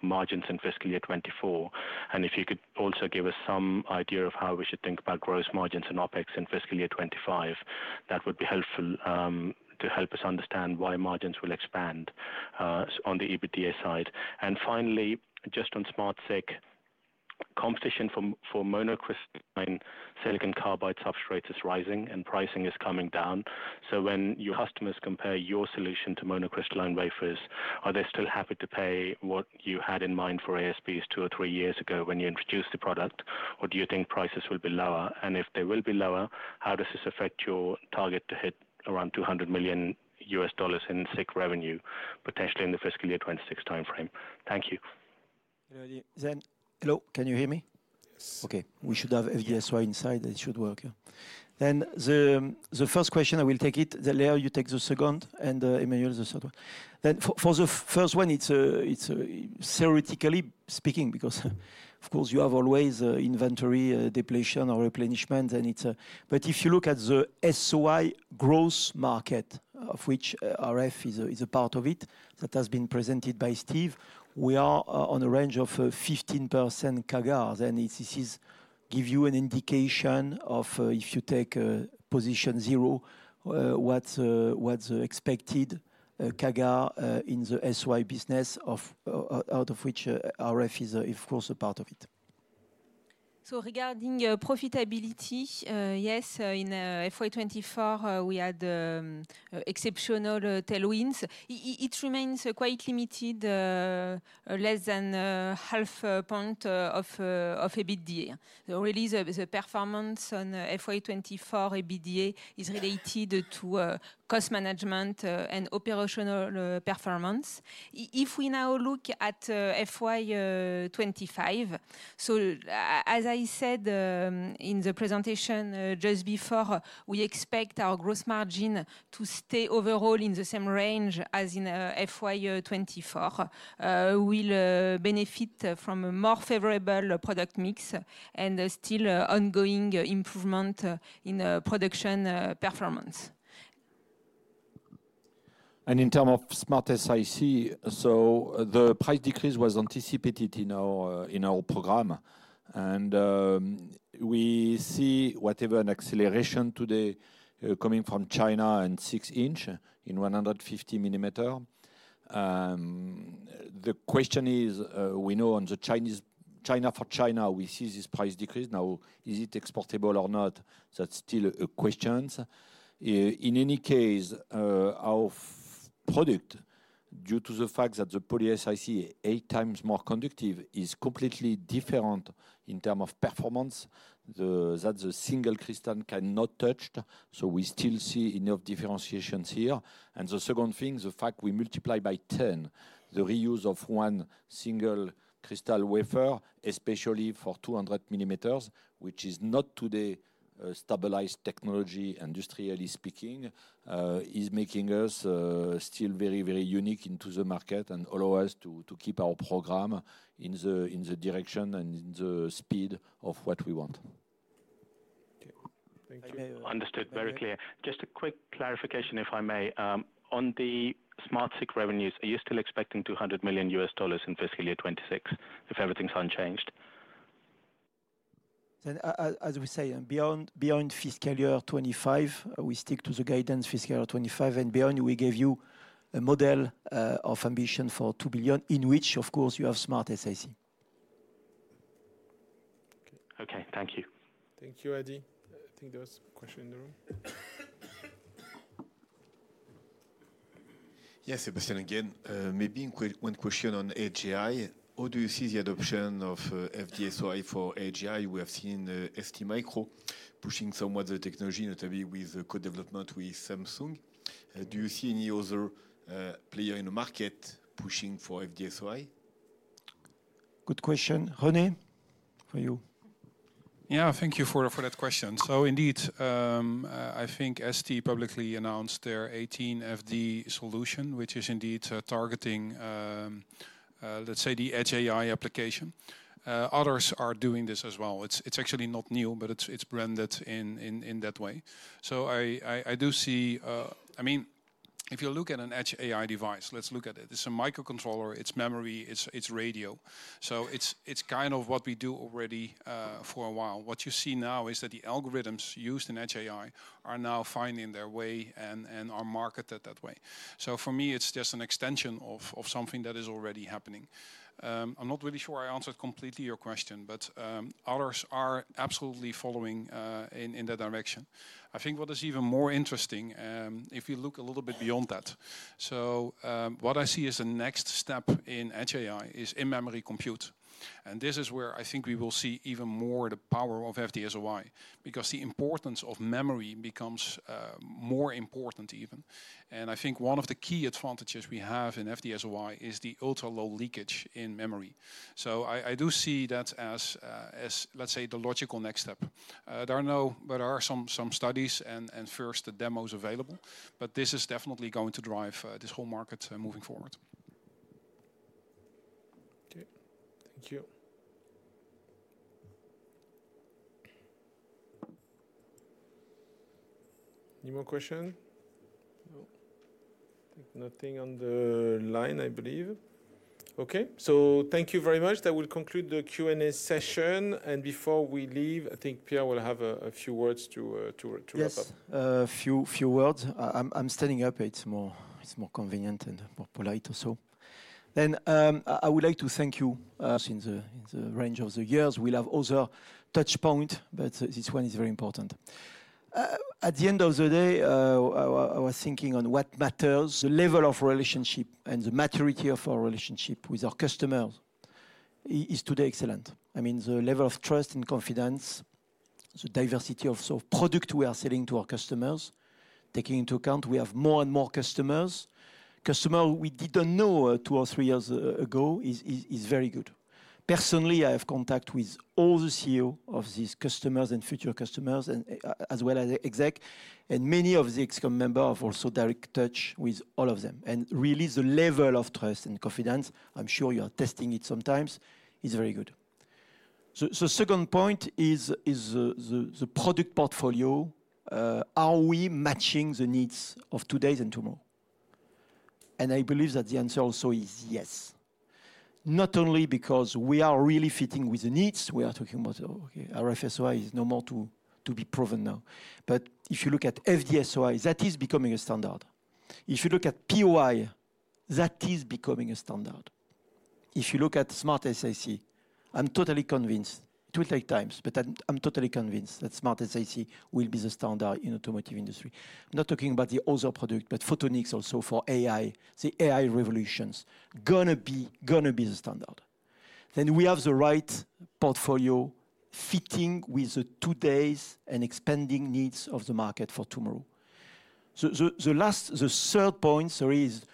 N: margins in fiscal year 2024. And if you could also give us some idea of how we should think about gross margins and OpEx in fiscal year 2025, that would be helpful, to help us understand why margins will expand, on the EBITDA side. And finally, just on SmartSiC, competition for monocrystalline silicon carbide substrates is rising and pricing is coming down. So when your customers compare your solution to monocrystalline wafers, are they still happy to pay what you had in mind for ASPs two or three years ago when you introduced the product? Or do you think prices will be lower? And if they will be lower, how does this affect your target to hit around $200 million in SiC revenue, potentially in the fiscal year 2026 timeframe? Thank you.
B: Hello, Adi. Hello, can you hear me?
N: Yes.
B: Okay. We should have FD-SOI inside. It should work, yeah. Then the first question, I will take it, then Léa you take the second, and Emmanuel, the third one. Then for the first one, it's theoretically speaking, because of course, you have always inventory depletion or replenishment, and it's... But if you look at the SOI growth market, of which RF is a part of it, that has been presented by Steve, we are on a range of 15% CAGR. Then this is give you an indication of if you take position zero, what's expected CAGR in the SOI business out of which RF is, of course, a part of it.
H: So regarding profitability, yes, in FY 2024, we had exceptional tailwinds. It remains quite limited, less than half a point of EBITDA. Really, the performance on FY 2024 EBITDA is related to cost management and operational performance. If we now look at FY 2025, as I said in the presentation just before, we expect our gross margin to stay overall in the same range as in FY 2024. We'll benefit from a more favorable product mix and still ongoing improvement in production performance.
E: In terms of SmartSiC, the price decrease was anticipated in our program. We see an acceleration today coming from China and 6-inch in 150 mm The question is, we know for China, we see this price decrease. Now, is it exportable or not? That's still a question. In any case, our product, due to the fact that the poly-SiC, eight times more conductive, is completely different in terms of performance that the single crystal cannot touched, so we still see enough differentiations here. The second thing, the fact we multiply by 10 the reuse of one single crystal wafer, especially for 200 mm, which is not today a stabilized technology, industrially speaking, is making us still very, very unique into the market and allow us to keep our program in the direction and in the speed of what we want....
N: Understood, very clear. Just a quick clarification, if I may. On the SmartSiC revenues, are you still expecting $200 million in fiscal year 2026, if everything's unchanged?
B: Then, as we say, beyond fiscal year 25, we stick to the guidance fiscal year 25, and beyond we gave you a model of ambition for $2 billion, in which of course, you have SmartSiC.
N: Okay. Thank you.
A: Thank you, Adi. I think there was a question in the room.
J: Yes, Sebastian again. Maybe one question on AGI. How do you see the adoption of FD-SOI for AGI? We have seen STMicro pushing somewhat the technology, notably with the co-development with Samsung. Do you see any other player in the market pushing for FD-SOI?
A: Good question. René, for you.
F: Yeah, thank you for that question. So indeed, I think ST publicly announced their 18 FD solution, which is indeed targeting, let's say, the edge AI application. Others are doing this as well. It's actually not new, but it's branded in that way. So I do see... I mean, if you look at an edge AI device, let's look at it. It's a microcontroller, it's memory, it's radio. So it's kind of what we do already for a while. What you see now is that the algorithms used in edge AI are now finding their way and are marketed that way. So for me, it's just an extension of something that is already happening. I'm not really sure I answered completely your question, but others are absolutely following in that direction. I think what is even more interesting, if you look a little bit beyond that, so what I see as the next step in edge AI is in-memory compute. And this is where I think we will see even more the power of FD-SOI, because the importance of memory becomes more important even. And I think one of the key advantages we have in FD-SOI is the ultra-low leakage in memory. So I do see that as, let's say, the logical next step. There are some studies and first demos available, but this is definitely going to drive this whole market moving forward.
A: Okay. Thank you. Any more question? No. Nothing on the line, I believe. Okay, so thank you very much. That will conclude the Q&A session. And before we leave, I think Pierre will have a few words to wrap up.
B: Yes, a few words. I'm standing up. It's more convenient and more polite also. Then, I would like to thank you in the range of the years. We'll have other touch points, but this one is very important. At the end of the day, I was thinking on what matters, the level of relationship and the maturity of our relationship with our customers is today excellent. I mean, the level of trust and confidence, the diversity of product we are selling to our customers, taking into account we have more and more customers, customers we didn't know two or three years ago, is very good. Personally, I have contact with all the CEO of these customers and future customers and, as well as the exec, and many of the exec member have also direct touch with all of them. Really, the level of trust and confidence, I'm sure you are testing it sometimes, is very good. So, second point is the product portfolio. Are we matching the needs of today and tomorrow? And I believe that the answer also is yes. Not only because we are really fitting with the needs, we are talking about, okay, our FD-SOI is no more to be proven now. But if you look at FD-SOI, that is becoming a standard. If you look at POI, that is becoming a standard. If you look at SmartSiC, I'm totally convinced, it will take time, but I'm, I'm totally convinced that SmartSiC will be the standard in automotive industry. I'm not talking about the other product, but photonics also for AI, the AI revolution's gonna be, gonna be the standard. Then we have the right portfolio fitting with the today's and expanding needs of the market for tomorrow. So, so, so last, the third point, so is,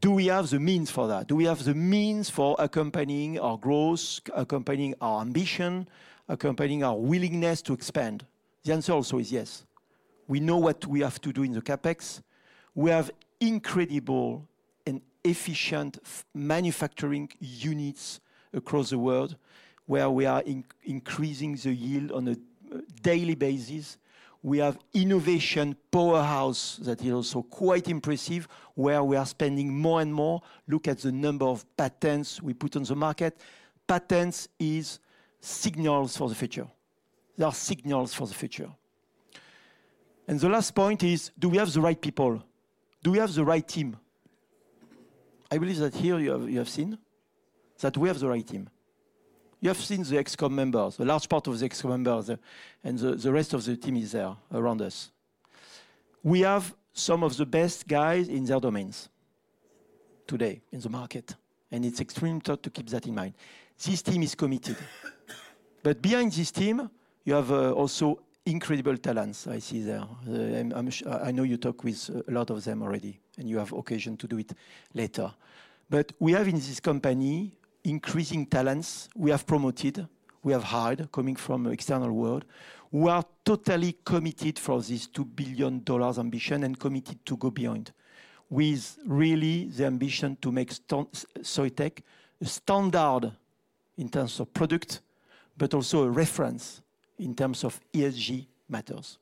B: do we have the means for that? Do we have the means for accompanying our growth, accompanying our ambition, accompanying our willingness to expand? The answer also is yes. We know what we have to do in the CapEx. We have incredible and efficient fab manufacturing units across the world, where we are increasing the yield on a daily basis. We have innovation powerhouse that is also quite impressive, where we are spending more and more. Look at the number of patents we put on the market. Patents is signals for the future. They are signals for the future. And the last point is, do we have the right people? Do we have the right team? I believe that here you have, you have seen that we have the right team. You have seen the ExCom members, a large part of the ExCom members, and the rest of the team is there around us. We have some of the best guys in their domains today in the market, and it's extremely tough to keep that in mind. This team is committed. But behind this team, you have also incredible talents I see there. I know you talk with a lot of them already, and you have occasion to do it later. But we have in this company, increasing talents. We have promoted, we have hired, coming from external world, who are totally committed for this $2 billion ambition and committed to go beyond, with really the ambition to make Soitec a standard in terms of product, but also a reference in terms of ESG matters.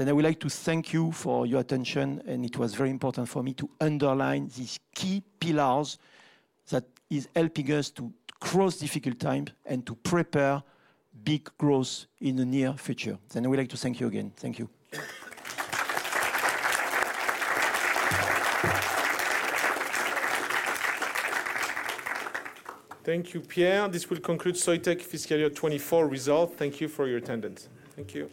B: I would like to thank you for your attention, and it was very important for me to underline these key pillars that is helping us to cross difficult time and to prepare big growth in the near future. I would like to thank you again. Thank you.
A: Thank you, Pierre. This will conclude Soitec fiscal year 2024 result. Thank you for your attendance. Thank you.